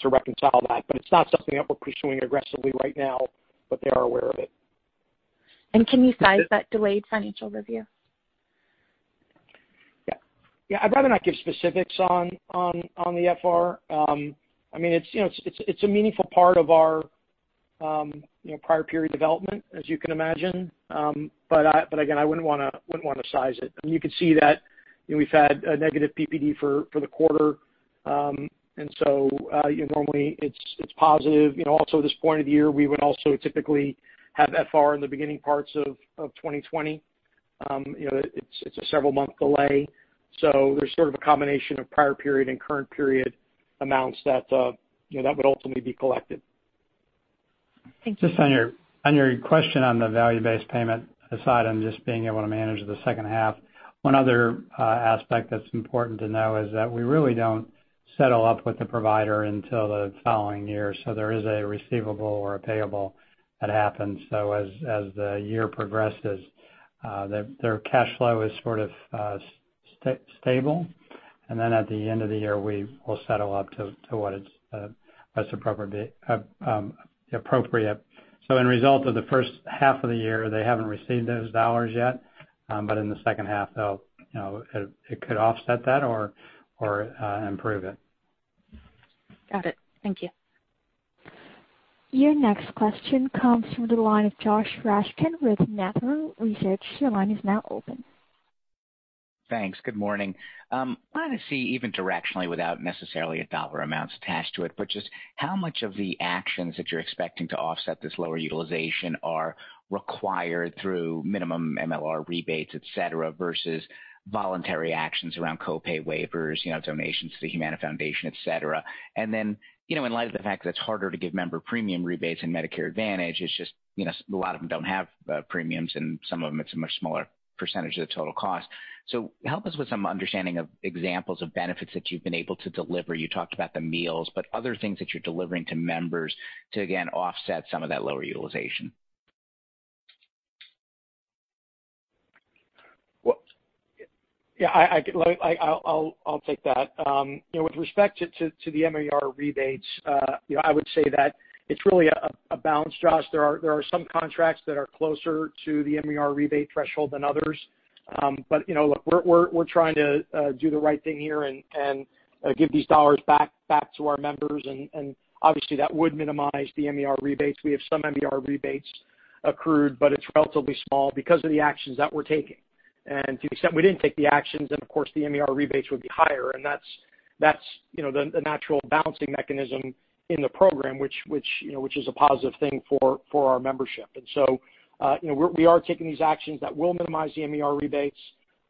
reconcile that. It's not something that we're pursuing aggressively right now, but they are aware of it. Can you size that delayed financial review? Yeah, I'd rather not give specifics on the FR. It's a meaningful part of our prior period development, as you can imagine. Again, I wouldn't want to size it. You can see that we've had a negative PPD for the quarter. Normally it's positive. Also at this point of the year, we would also typically have FR in the beginning parts of 2020. It's a several-month delay. There's sort of a combination of prior period and current period amounts that would ultimately be collected. Thank you. Just on your question on the value-based payment side and just being able to manage the second half, one other aspect that's important to know is that we really don't settle up with the provider until the following year. There is a receivable or a payable that happens. As the year progresses, their cash flow is sort of stable. Then at the end of the year, we will settle up to what it's appropriate. In result of the first half of the year, they haven't received those dollars yet. In the second half, it could offset that or improve it. Got it. Thank you. Your next question comes from the line of Josh Raskin with Nephron Research. Your line is now open. Thanks. Good morning. I want to see even directionally without necessarily a dollar amount attached to it, but just how much of the actions that you're expecting to offset this lower utilization are required through minimum MLR rebates, et cetera, versus voluntary actions around co-pay waivers, donations to The Humana Foundation, et cetera. In light of the fact that it's harder to give member premium rebates in Medicare Advantage, it's just a lot of them don't have premiums, and some of them it's a much smaller percentage of the total cost. Help us with some understanding of examples of benefits that you've been able to deliver. You talked about the meals, but other things that you're delivering to members to, again, offset some of that lower utilization. Yeah. I'll take that. With respect to the MLR rebates, I would say that it's really a balance, Josh. There are some contracts that are closer to the MLR rebate threshold than others. Look, we're trying to do the right thing here and give these dollars back to our members, and obviously that would minimize the MLR rebates. We have some MLR rebates accrued, but it's relatively small because of the actions that we're taking. To the extent we didn't take the actions, then of course, the MLR rebates would be higher. That's the natural balancing mechanism in the program, which is a positive thing for our membership. We are taking these actions that will minimize the MLR rebates,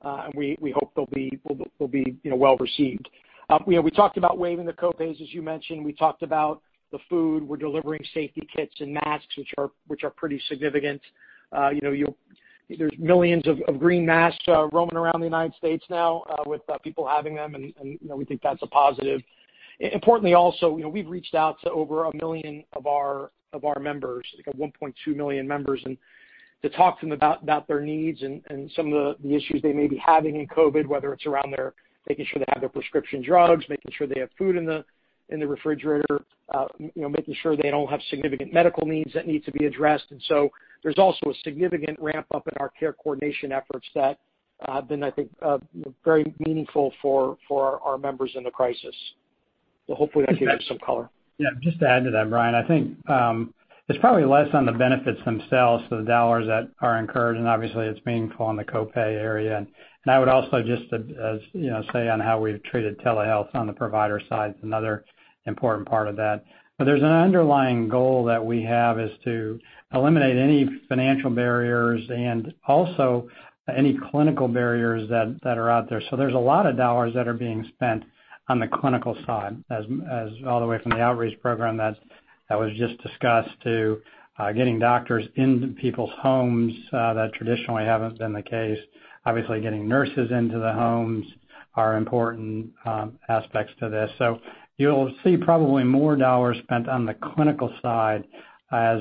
and we hope they'll be well-received. We talked about waiving the co-pays, as you mentioned. We talked about the food. We're delivering safety kits and masks, which are pretty significant. There's millions of green masks roaming around the U.S. now with people having them. We think that's a positive. Importantly also, we've reached out to over a million of our members, we've got 1.2 million members, to talk to them about their needs and some of the issues they may be having in COVID, whether it's around making sure they have their prescription drugs, making sure they have food in the refrigerator, making sure they don't have significant medical needs that need to be addressed. There's also a significant ramp-up in our care coordination efforts that have been, I think, very meaningful for our members in the crisis. Hopefully that gives some color. Yeah, just to add to that, Brian, I think it's probably less on the benefits themselves, so the dollars that are incurred, and obviously it's meaningful in the co-pay area. I would also just say on how we've treated telehealth on the provider side is another important part of that. There's an underlying goal that we have, is to eliminate any financial barriers and also any clinical barriers that are out there. There's a lot of dollars that are being spent on the clinical side, all the way from the outreach program that was just discussed to getting doctors into people's homes, that traditionally haven't been the case. Obviously, getting nurses into the homes are important aspects to this. You'll see probably more dollars spent on the clinical side as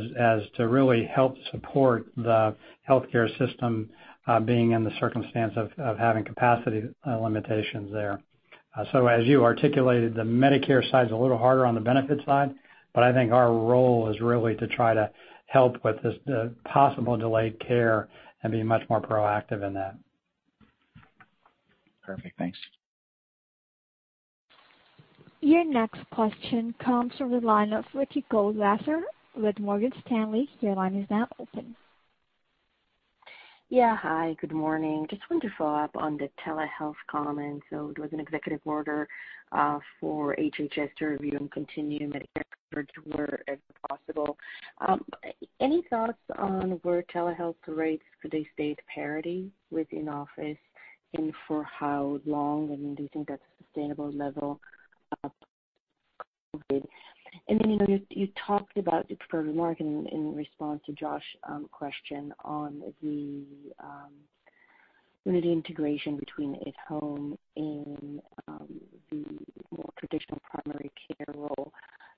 to really help support the healthcare system being in the circumstance of having capacity limitations there. As you articulated, the Medicare side's a little harder on the benefit side, I think our role is really to try to help with the possible delayed care and be much more proactive in that. Perfect. Thanks. Your next question comes from the line of Ricky Goldwasser with Morgan Stanley. Your line is now open. Yeah. Hi, good morning. Just wanted to follow up on the telehealth comment. It was an executive order for HHS to review and continue Medicare coverage where possible. Any thoughts on where telehealth rates could they stay at parity with in-office and for how long? Do you think that's a sustainable level? You talked about prepared remarkss in response to Josh's question on the integration between Humana at Home and the more traditional primary care role.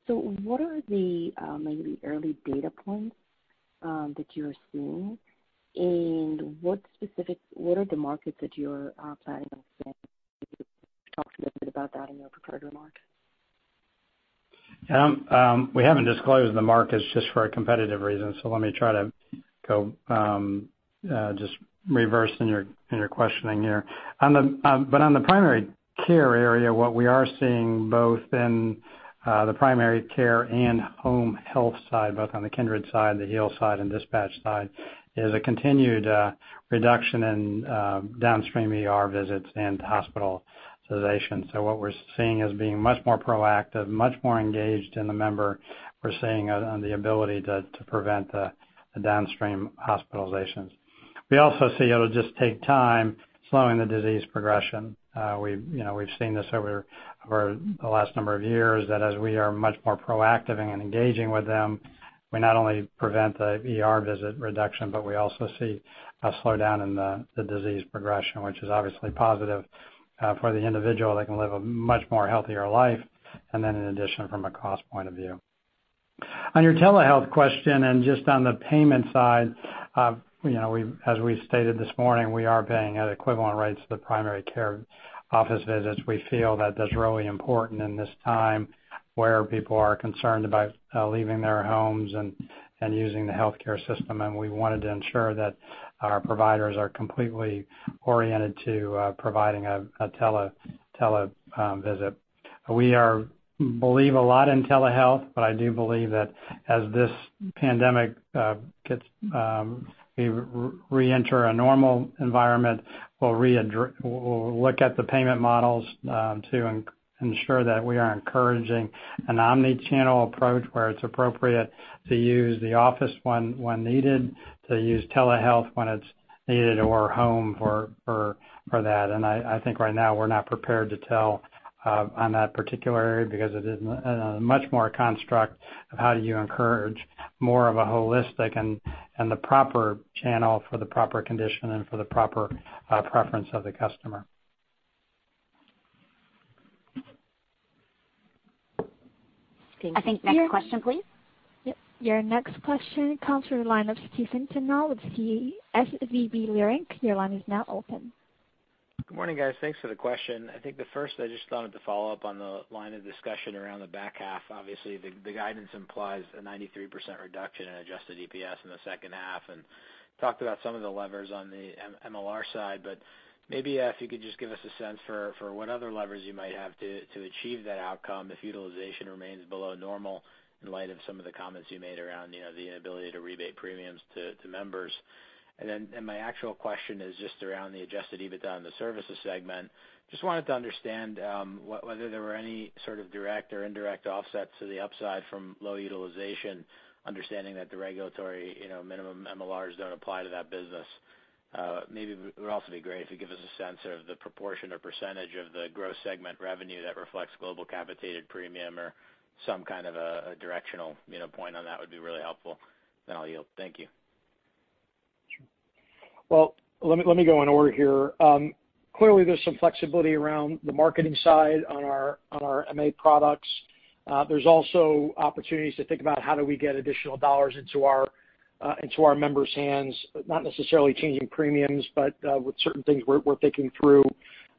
What are maybe early data points that you're seeing, and what are the markets that you're planning on talk a little bit about that in your prepared remarkss? We haven't disclosed the markets just for a competitive reason. Let me try to go just reverse in your questioning here. On the primary care area, what we are seeing both in the primary care and home health side, both on the Kindred side, the Heal side, and Dispatch side, is a continued reduction in downstream ER visits and hospitalization. What we're seeing is being much more proactive, much more engaged in the member. We're seeing on the ability to prevent the downstream hospitalizations. We also see it'll just take time slowing the disease progression. We've seen this over the last number of years, that as we are much more proactive in engaging with them, we not only prevent the ER visit reduction, but we also see a slowdown in the disease progression, which is obviously positive for the individual. They can live a much more healthier life, in addition, from a cost point of view. On your telehealth question on the payment side, as we stated this morning, we are paying at equivalent rates to the primary care office visits. We feel that that's really important in this time, where people are concerned about leaving their homes and using the healthcare system, we wanted to ensure that our providers are completely oriented to providing a tele-visit. We believe a lot in telehealth, I do believe that as this pandemic we reenter a normal environment, we'll look at the payment models to ensure that we are encouraging an omni-channel approach where it's appropriate to use the office when needed, to use telehealth when it's needed, or home for that. I think right now we're not prepared to tell on that particular area because it is much more a construct of how do you encourage more of a holistic and the proper channel for the proper condition and for the proper preference of the customer. I think next question, please. Yep. Your next question comes from the line of Stephen Tanal with SVB Leerink. Your line is now open. Good morning, guys. Thanks for the question. I think the first, I just wanted to follow up on the line of discussion around the back half. Obviously, the guidance implies a 93% reduction in adjusted EPS in the second half and talked about some of the levers on the MLR side, but maybe if you could just give us a sense for what other levers you might have to achieve that outcome if utilization remains below normal in light of some of the comments you made around the ability to rebate premiums to members. My actual question is just around the adjusted EBITDA on the services segment. Just wanted to understand whether there were any sort of direct or indirect offsets to the upside from low utilization, understanding that the regulatory minimum MLRs don't apply to that business. Maybe it would also be great if you give us a sense of the proportion or percentage of the gross segment revenue that reflects global capitated premium or some kind of a directional point on that would be really helpful. I'll yield. Thank you. Well, let me go in order here. Clearly, there's some flexibility around the marketing side on our MA products. There's also opportunities to think about how do we get additional dollars into our members' hands, not necessarily changing premiums, but with certain things we're thinking through.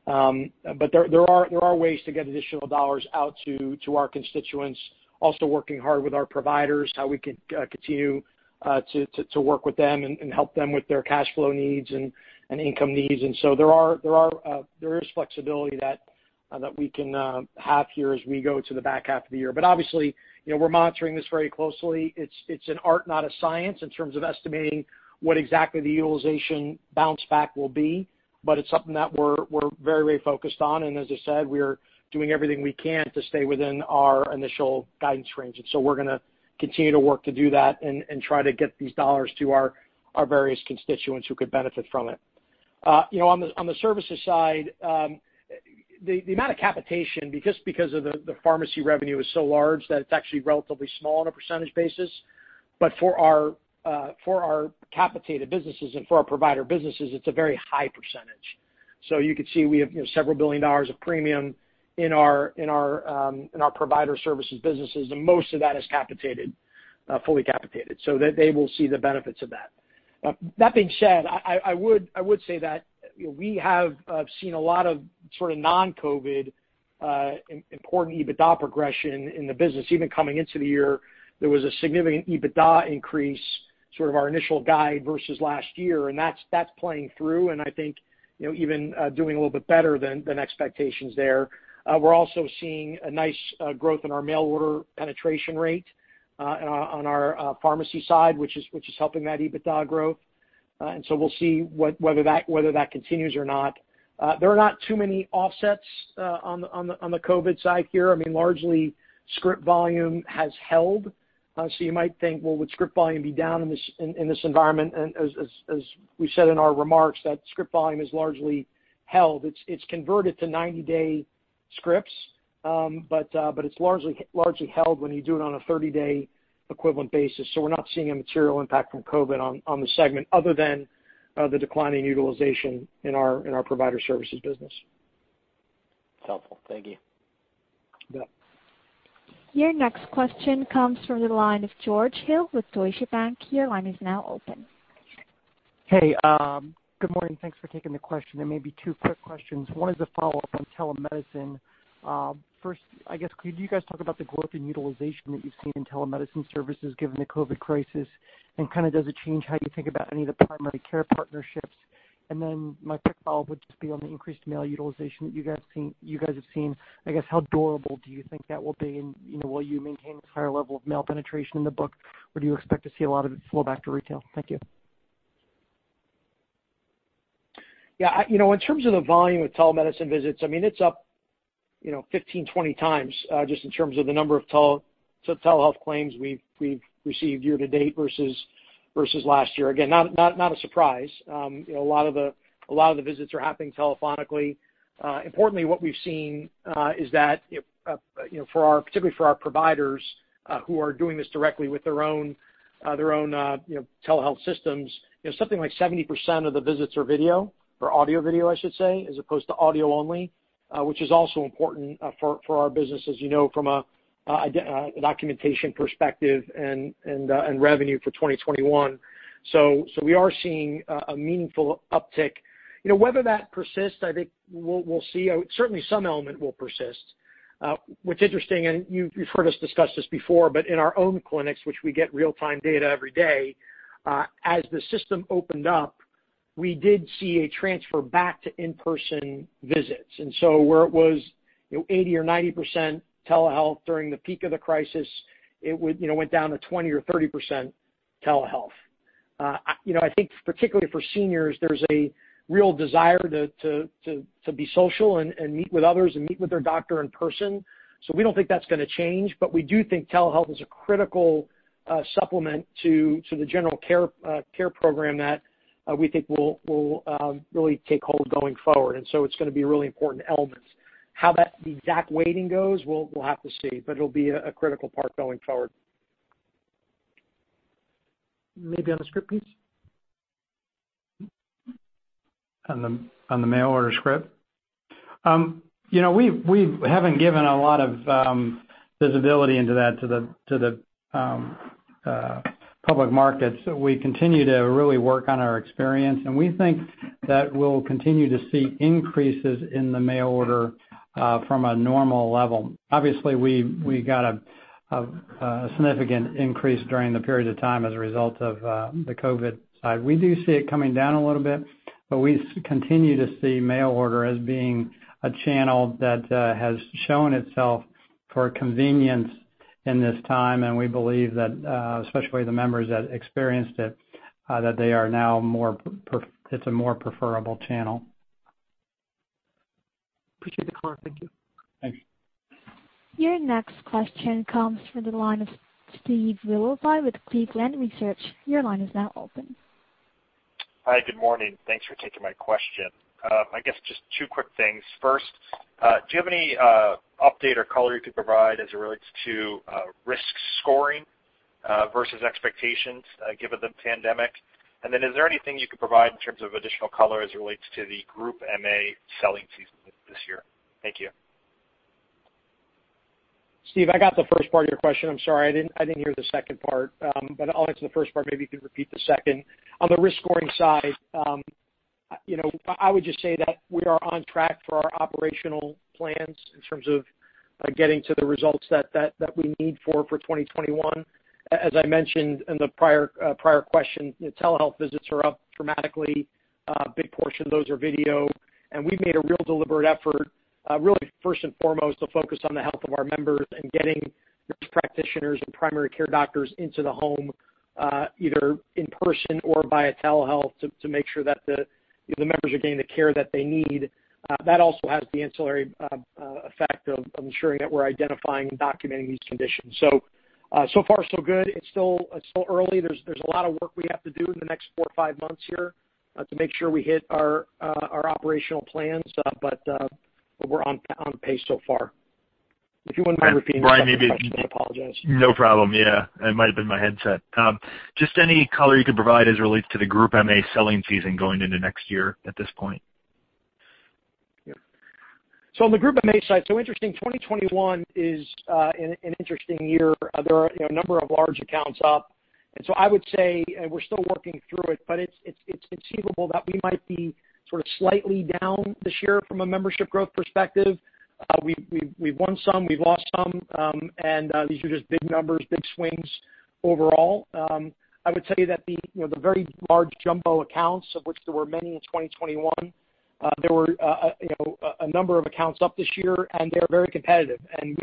There are ways to get additional dollars out to our constituents, also working hard with our providers, how we could continue to work with them and help them with their cash flow needs and income needs. There is flexibility that we can have here as we go to the back half of the year. Obviously, we're monitoring this very closely. It's an art, not a science, in terms of estimating what exactly the utilization bounce back will be. It's something that we're very focused on, and as I said, we are doing everything we can to stay within our initial guidance ranges. We're going to continue to work to do that and try to get these dollars to our various constituents who could benefit from it. On the services side the amount of capitation, just because of the pharmacy revenue is so large that it's actually relatively small on a percentage basis. For our capitated businesses and for our provider businesses, it's a very high percentage. You could see we have several billion dollars of premium in our provider services businesses, and most of that is fully capitated, so they will see the benefits of that. That being said, I would say that we have seen a lot of sort of non-COVID important EBITDA progression in the business. Even coming into the year, there was a significant EBITDA increase, sort of our initial guide versus last year. That's playing through, and I think even doing a little bit better than expectations there. We're also seeing a nice growth in our mail-order penetration rate on our pharmacy side, which is helping that EBITDA growth. We'll see whether that continues or not. There are not too many offsets on the COVID side here. I mean, largely, script volume has held. You might think, well, would script volume be down in this environment? As we said in our remarks, that script volume is largely held. It's converted to 90-day scripts, but it's largely held when you do it on a 30-day equivalent basis. We're not seeing a material impact from COVID on the segment other than the declining utilization in our provider services business. Helpful. Thank you. Yeah. Your next question comes from the line of George Hill with Deutsche Bank. Your line is now open. Hey, good morning. Thanks for taking the question. There may be two quick questions. One is a follow-up on telemedicine. First, I guess, could you guys talk about the growth in utilization that you've seen in telemedicine services given the COVID crisis, and kind of does it change how you think about any of the primary care partnerships? My quick follow-up would just be on the increased mail utilization that you guys have seen, I guess how durable do you think that will be? Will you maintain this higher level of mail penetration in the book, or do you expect to see a lot of it flow back to retail? Thank you. Yeah. In terms of the volume of telemedicine visits, I mean, it's up 15-20 times, just in terms of the number of telehealth claims we've received year-to-date versus last year. Again, not a surprise. A lot of the visits are happening telephonically. Importantly, what we've seen is that, particularly for our providers, who are doing this directly with their own telehealth systems, something like 70% of the visits are video, or audio-video, I should say, as opposed to audio only, which is also important for our business, as you know, from a documentation perspective and revenue for 2021. We are seeing a meaningful uptick. Whether that persists, I think we'll see. Certainly, some element will persist. What's interesting, and you've heard us discuss this before, but in our own clinics, which we get real-time data every day, as the system opened up, we did see a transfer back to in-person visits. Where it was 80% or 90% telehealth during the peak of the crisis, it went down to 20% or 30% telehealth. I think particularly for seniors, there's a real desire to be social and meet with others and meet with their doctor in person. We don't think that's going to change, but we do think telehealth is a critical supplement to the general care program that we think will really take hold going forward. It's going to be a really important element. How that exact weighting goes, we'll have to see, but it'll be a critical part going forward. Maybe on the script piece? On the mail-order script? We haven't given a lot of visibility into that to the public markets. We continue to really work on our experience, and we think that we'll continue to see increases in the mail-order from a normal level. Obviously, we got a significant increase during the period of time as a result of the COVID side. We do see it coming down a little bit, but we continue to see mail-order as being a channel that has shown itself for convenience in this time, and we believe that, especially the members that experienced it, that it's a more preferable channel. Appreciate the color. Thank you. Thanks. Your next question comes from the line of Steve Willoughby with Cleveland Research. Your line is now open. Hi, good morning. Thanks for taking my question. I guess just two quick things. First, do you have any update or color you could provide as it relates to risk scoring versus expectations given the pandemic? Is there anything you could provide in terms of additional color as it relates to the group MA selling season this year? Thank you. Steve, I got the first part of your question. I'm sorry, I didn't hear the second part. I'll answer the first part, maybe you could repeat the second. On the risk scoring side, I would just say that we are on track for our operational plans in terms of getting to the results that we need for 2021. As I mentioned in the prior question, the telehealth visits are up dramatically. A big portion of those are video. We've made a real deliberate effort, really first and foremost, to focus on the health of our members and getting these practitioners and primary care doctors into the home, either in person or via telehealth, to make sure that the members are getting the care that they need. That also has the ancillary effect of ensuring that we're identifying and documenting these conditions. Far so good. It's still early. There's a lot of work we have to do in the next four to five months here to make sure we hit our operational plans, but we're on pace so far. If you wouldn't mind repeating the second question, I apologize. No problem. Yeah. It might have been my headset. Just any color you could provide as it relates to the group MA selling season going into next year at this point? On the group MA side, so interesting, 2021 is an interesting year. There are a number of large accounts up. I would say we're still working through it's conceivable that we might be sort of slightly down this year from a membership growth perspective. We've won some, we've lost some. These are just big numbers, big swings overall. I would say that the very large jumbo accounts, of which there were many in 2021, there were a number of accounts up this year. They're very competitive. We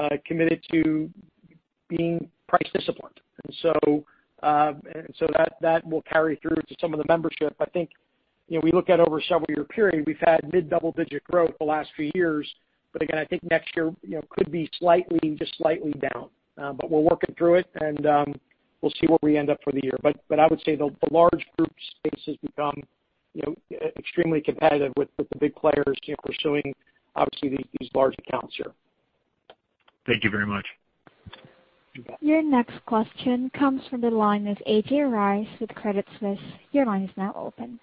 have committed to being price disciplined. That will carry through to some of the membership. I think, we look at over a several year period, we've had mid double digit growth the last few years. Again, I think next year could be slightly, just slightly down. We're working through it, and we'll see where we end up for the year. I would say the large group space has become extremely competitive with the big players pursuing, obviously, these large accounts here. Thank you very much. You bet. Your next question comes from the line of A.J. Rice with Credit Suisse. Your line is now open.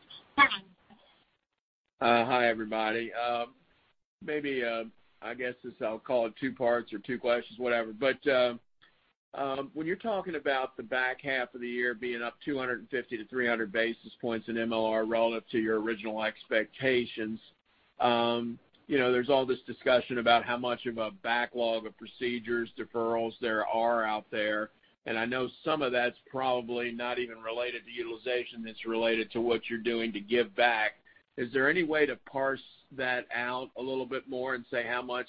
Hi, everybody. Maybe, I guess this, I'll call it two parts or two questions, whatever. When you're talking about the back half of the year being up 250 basis points-300 basis points in MLR relative to your original expectations, there's all this discussion about how much of a backlog of procedures, deferrals there are out there, and I know some of that's probably not even related to utilization, that's related to what you're doing to give back. Is there any way to parse that out a little bit more and say how much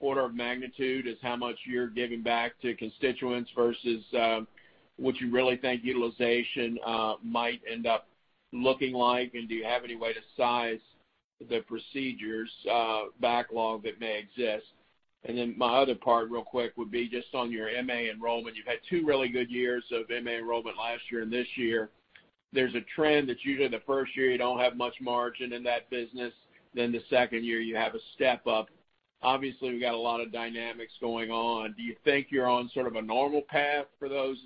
order of magnitude is how much you're giving back to constituents versus, what you really think utilization might end up looking like, and do you have any way to size the procedures backlog that may exist? My other part real quick would be just on your MA enrollment. You've had two really good years of MA enrollment last year and this year. There's a trend that usually the first year you don't have much margin in that business, then the second year you have a step up. Obviously, we've got a lot of dynamics going on. Do you think you're on sort of a normal path for those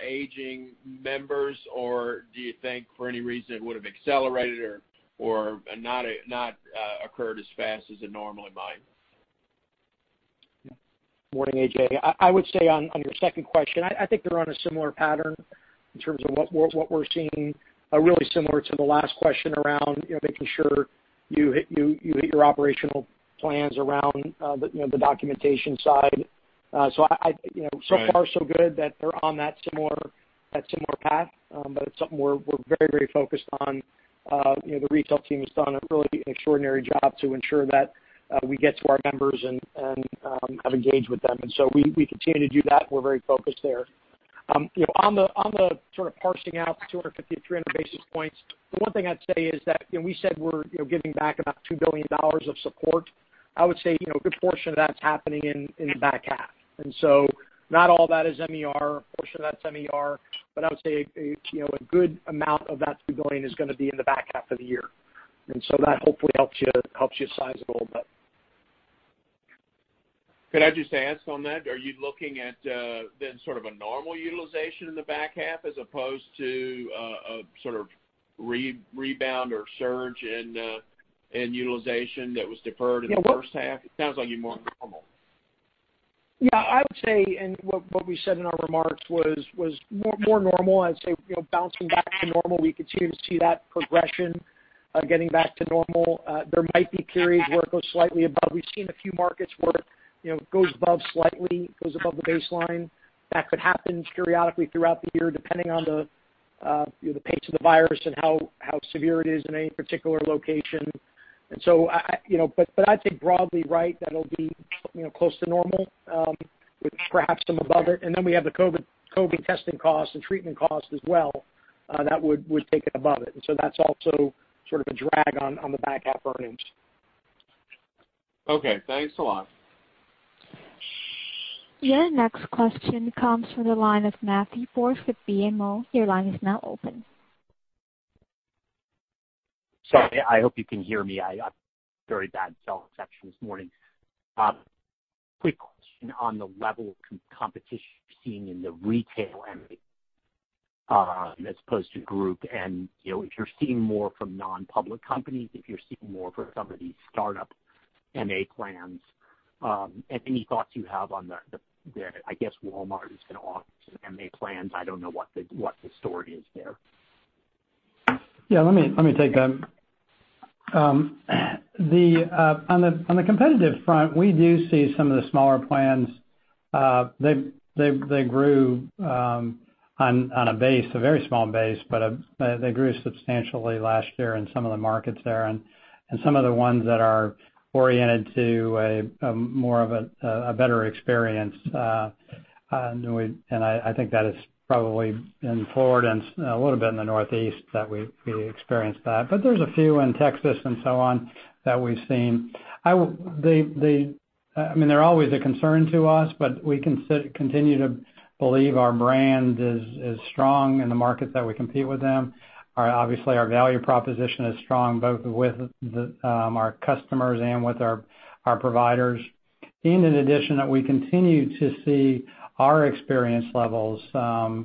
aging members, or do you think for any reason it would've accelerated or not occurred as fast as it normally might? Morning, A.J. I would say on your second question, I think they're on a similar pattern in terms of what we're seeing, really similar to the last question around making sure you hit your operational plans around the documentation side. So far so good that they're on that similar path, it's something we're very focused on. The retail team has done a really extraordinary job to ensure that we get to our members and have engaged with them, we continue to do that. We're very focused there. On the sort of parsing out the 250 basis points-300 basis points, the one thing I'd say is that we said we're giving back about $2 billion of support. I would say a good portion of that's happening in the back half. Not all that is MLR, a portion of that's MLR, but I would say a good amount of that $2 billion is going to be in the back half of the year. That hopefully helps you size it a little bit. Could I just ask on that, are you looking at sort of a normal utilization in the back half as opposed to a sort of rebound or surge in utilization that was deferred in the first half? It sounds like you more normal. I would say, what we said in our remarks was more normal. I'd say bouncing back to normal. We continue to see that progression, getting back to normal. There might be periods where it goes slightly above. We've seen a few markets where it goes above slightly, goes above the baseline. That could happen periodically throughout the year, depending on the pace of the virus and how severe it is in any particular location. I'd say broadly, right, that'll be close to normal, with perhaps some above it. Then we have the COVID testing costs and treatment costs as well, that would take it above it. That's also sort of a drag on the back half earnings. Okay. Thanks a lot. Your next question comes from the line of Matthew Borsch with BMO. Your line is now open. Sorry, I hope you can hear me. I have very bad cell reception this morning. Quick question on the level of competition you're seeing in the retail MA, as opposed to group, and if you're seeing more from non-public companies, if you're seeing more from some of these startup MA plans, and any thoughts you have on the, I guess Walmart is going to offer some MA plans. I don't know what the story is there? Yeah. Let me take that. On the competitive front, we do see some of the smaller plans. They grew on a base, a very small base, but they grew substantially last year in some of the markets there, and some of the ones that are oriented to more of a better experience, and I think that is probably in Florida and a little bit in the Northeast that we experienced that. There's a few in Texas and so on that we've seen. I mean, they're always a concern to us, but we continue to believe our brand is strong in the market that we compete with them. Obviously, our value proposition is strong both with our customers and with our providers. In addition, that we continue to see our experience levels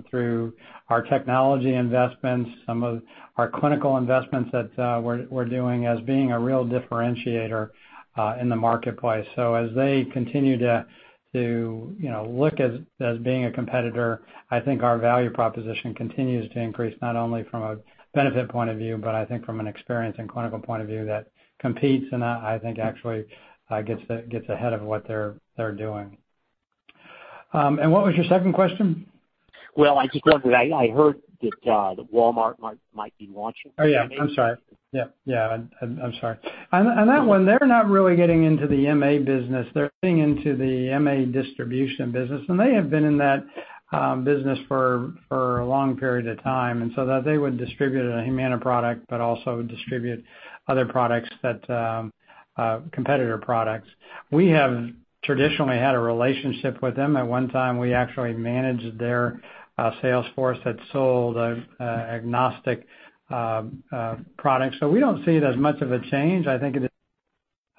through our technology investments, some of our clinical investments that we're doing as being a real differentiator in the marketplace. As they continue to look as being a competitor, I think our value proposition continues to increase, not only from a benefit point of view, but I think from an experience and clinical point of view that competes, and I think actually gets ahead of what they're doing. What was your second question? Well, I just wondered, I heard that Walmart might be launching. Oh, yeah. I'm sorry. Yep. Yeah. I'm sorry. On that one, they're not really getting into the MA business. They're getting into the MA distribution business, and they have been in that business for a long period of time, and so that they would distribute a Humana product, but also distribute other competitor products. We have traditionally had a relationship with them. At one time, we actually managed their sales force that sold agnostic products. We don't see it as much of a change. I think it is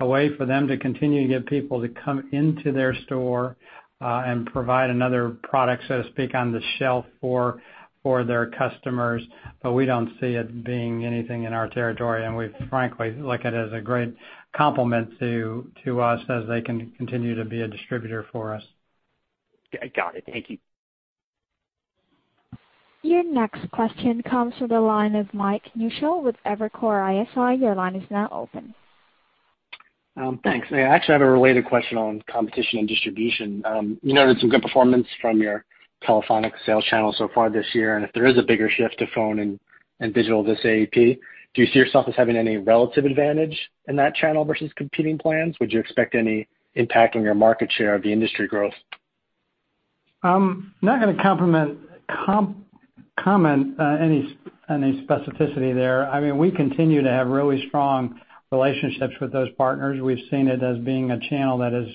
a way for them to continue to get people to come into their store, and provide another product, so to speak, on the shelf for their customers. We don't see it being anything in our territory, and we frankly look at it as a great complement to us as they can continue to be a distributor for us. Got it. Thank you. Your next question comes from the line of Mike Newshel with Evercore ISI. Your line is now open. Thanks. I actually have a related question on competition and distribution. You noted some good performance from your telephonic sales channel so far this year. If there is a bigger shift to phone and digital this AEP, do you see yourself as having any relative advantage in that channel versus competing plans? Would you expect any impact on your market share of the industry growth? I'm not going to comment any specificity there. I mean, we continue to have really strong relationships with those partners. We've seen it as being a channel that is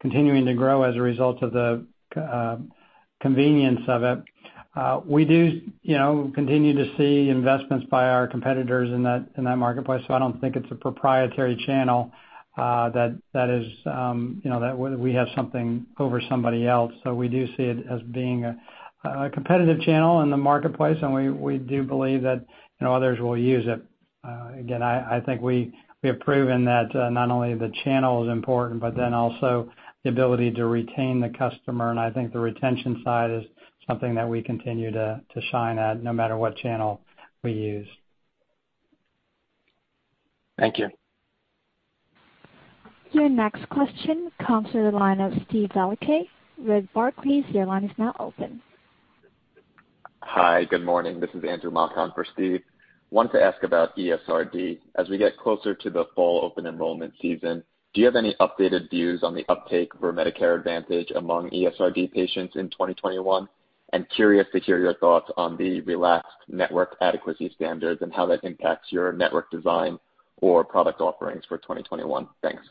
continuing to grow as a result of the convenience of it. We do continue to see investments by our competitors in that marketplace. I don't think it's a proprietary channel that we have something over somebody else. We do see it as being a competitive channel in the marketplace, and we do believe that others will use it. Again, I think we have proven that not only the channel is important, but then also the ability to retain the customer, and I think the retention side is something that we continue to shine at, no matter what channel we use. Thank you. Your next question comes through the line of Steve Valiquette with Barclays. Your line is now open. Hi. Good morning. This is Andrew Mok for Steve. I wanted to ask about ESRD. As we get closer to the fall open enrollment season, do you have any updated views on the uptake for Medicare Advantage among ESRD patients in 2021? I'm curious to hear your thoughts on the relaxed network adequacy standards and how that impacts your network design or product offerings for 2021. Thanks.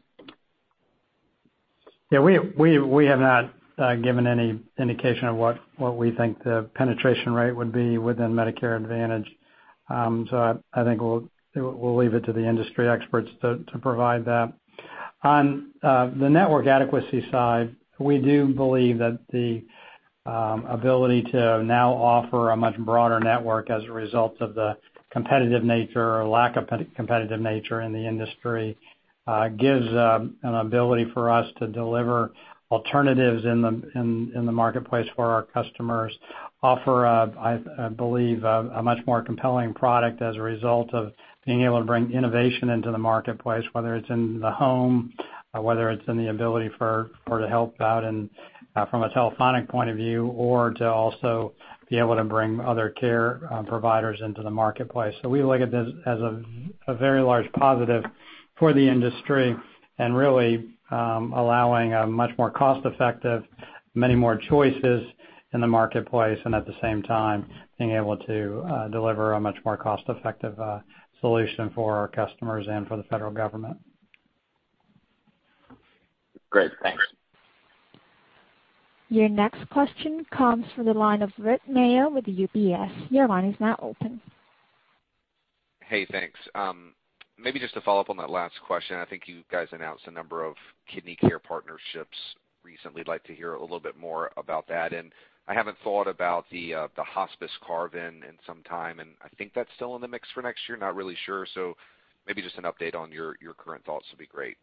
Yeah, we have not given any indication of what we think the penetration rate would be within Medicare Advantage. I think we'll leave it to the industry experts to provide that. On the network adequacy side, we do believe that the ability to now offer a much broader network as a result of the competitive nature or lack of competitive nature in the industry, gives an ability for us to deliver alternatives in the marketplace for our customers. Offer, I believe, a much more compelling product as a result of being able to bring innovation into the marketplace, whether it's in the home, whether it's in the ability for help out and from a telephonic point of view, or to also be able to bring other care providers into the marketplace. We look at this as a very large positive for the industry and really allowing a much more cost-effective, many more choices in the marketplace, and at the same time, being able to deliver a much more cost-effective solution for our customers and for the Federal Government. Great. Thanks. Your next question comes from the line of Whit Mayo with UBS. Your line is now open. Hey, thanks. Maybe just to follow up on that last question. I think you guys announced a number of kidney care partnerships recently. I'd like to hear a little bit more about that. I haven't thought about the hospice carve-in in some time, and I think that's still in the mix for next year. Not really sure. Maybe just an update on your current thoughts would be great.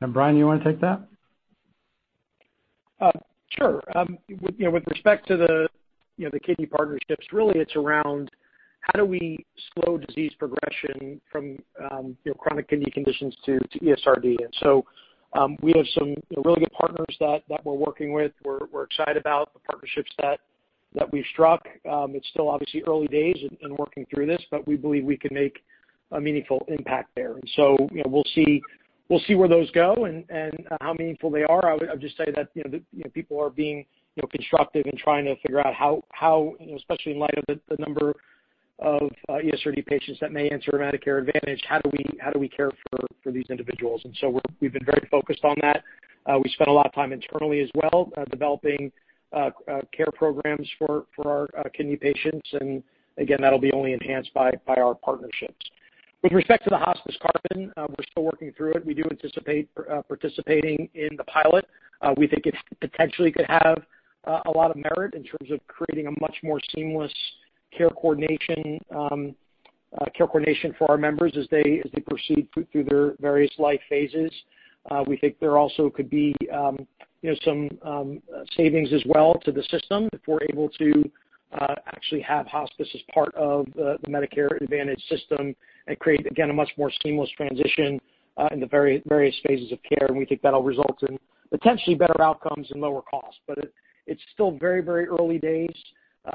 Brian, you want to take that? With respect to the kidney partnerships, really, it's around how do we slow disease progression from chronic kidney conditions to ESRD. We have some really good partners that we're working with. We're excited about the partnerships that we've struck. It's still obviously early days in working through this, but we believe we can make a meaningful impact there. We'll see where those go and how meaningful they are. I would just say that people are being constructive in trying to figure out how, especially in light of the number of ESRD patients that may enter Medicare Advantage, how do we care for these individuals? We've been very focused on that. We spent a lot of time internally as well, developing care programs for our kidney patients. Again, that'll be only enhanced by our partnerships. With respect to the hospice part, we're still working through it. We do anticipate participating in the pilot. We think it potentially could have a lot of merit in terms of creating a much more seamless care coordination for our members as they proceed through their various life phases. We think there also could be some savings as well to the system if we're able to actually have hospice as part of the Medicare Advantage system and create, again, a much more seamless transition in the various phases of care. We think that'll result in potentially better outcomes and lower costs. It's still very early days.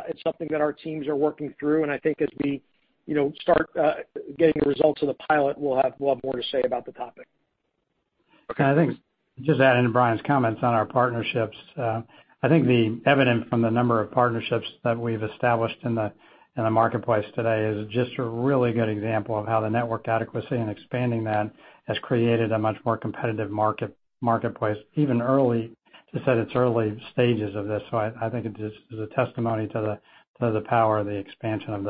It's something that our teams are working through, and I think as we start getting the results of the pilot, we'll have more to say about the topic. I think just adding to Brian's comments on our partnerships, I think the evidence from the number of partnerships that we've established in the marketplace today is just a really good example of how the network adequacy and expanding that has created a much more competitive marketplace, even early. As I said, it's early stages of this, so I think it just is a testimony to the power of the expansion of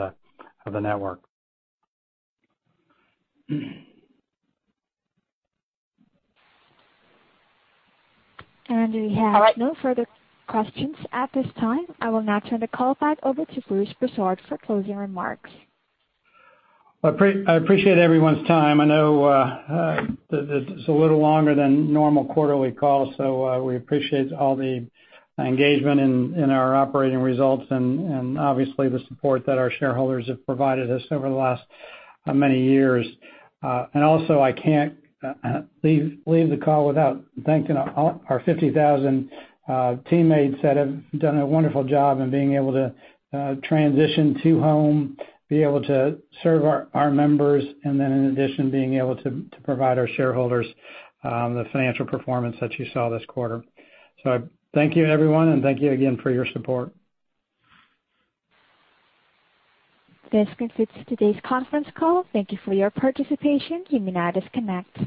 the network. We have no further questions at this time. I will now turn the call back over to Bruce Broussard for closing remarks. I appreciate everyone's time. I know that it's a little longer than normal quarterly call, so we appreciate all the engagement in our operating results and obviously the support that our shareholders have provided us over the last many years. Also, I can't leave the call without thanking our 50,000 teammates that have done a wonderful job in being able to transition to home, be able to serve our members, and then in addition, being able to provide our shareholders the financial performance that you saw this quarter. Thank you, everyone, and thank you again for your support. This concludes today's conference call. Thank you for your participation. You may now disconnect.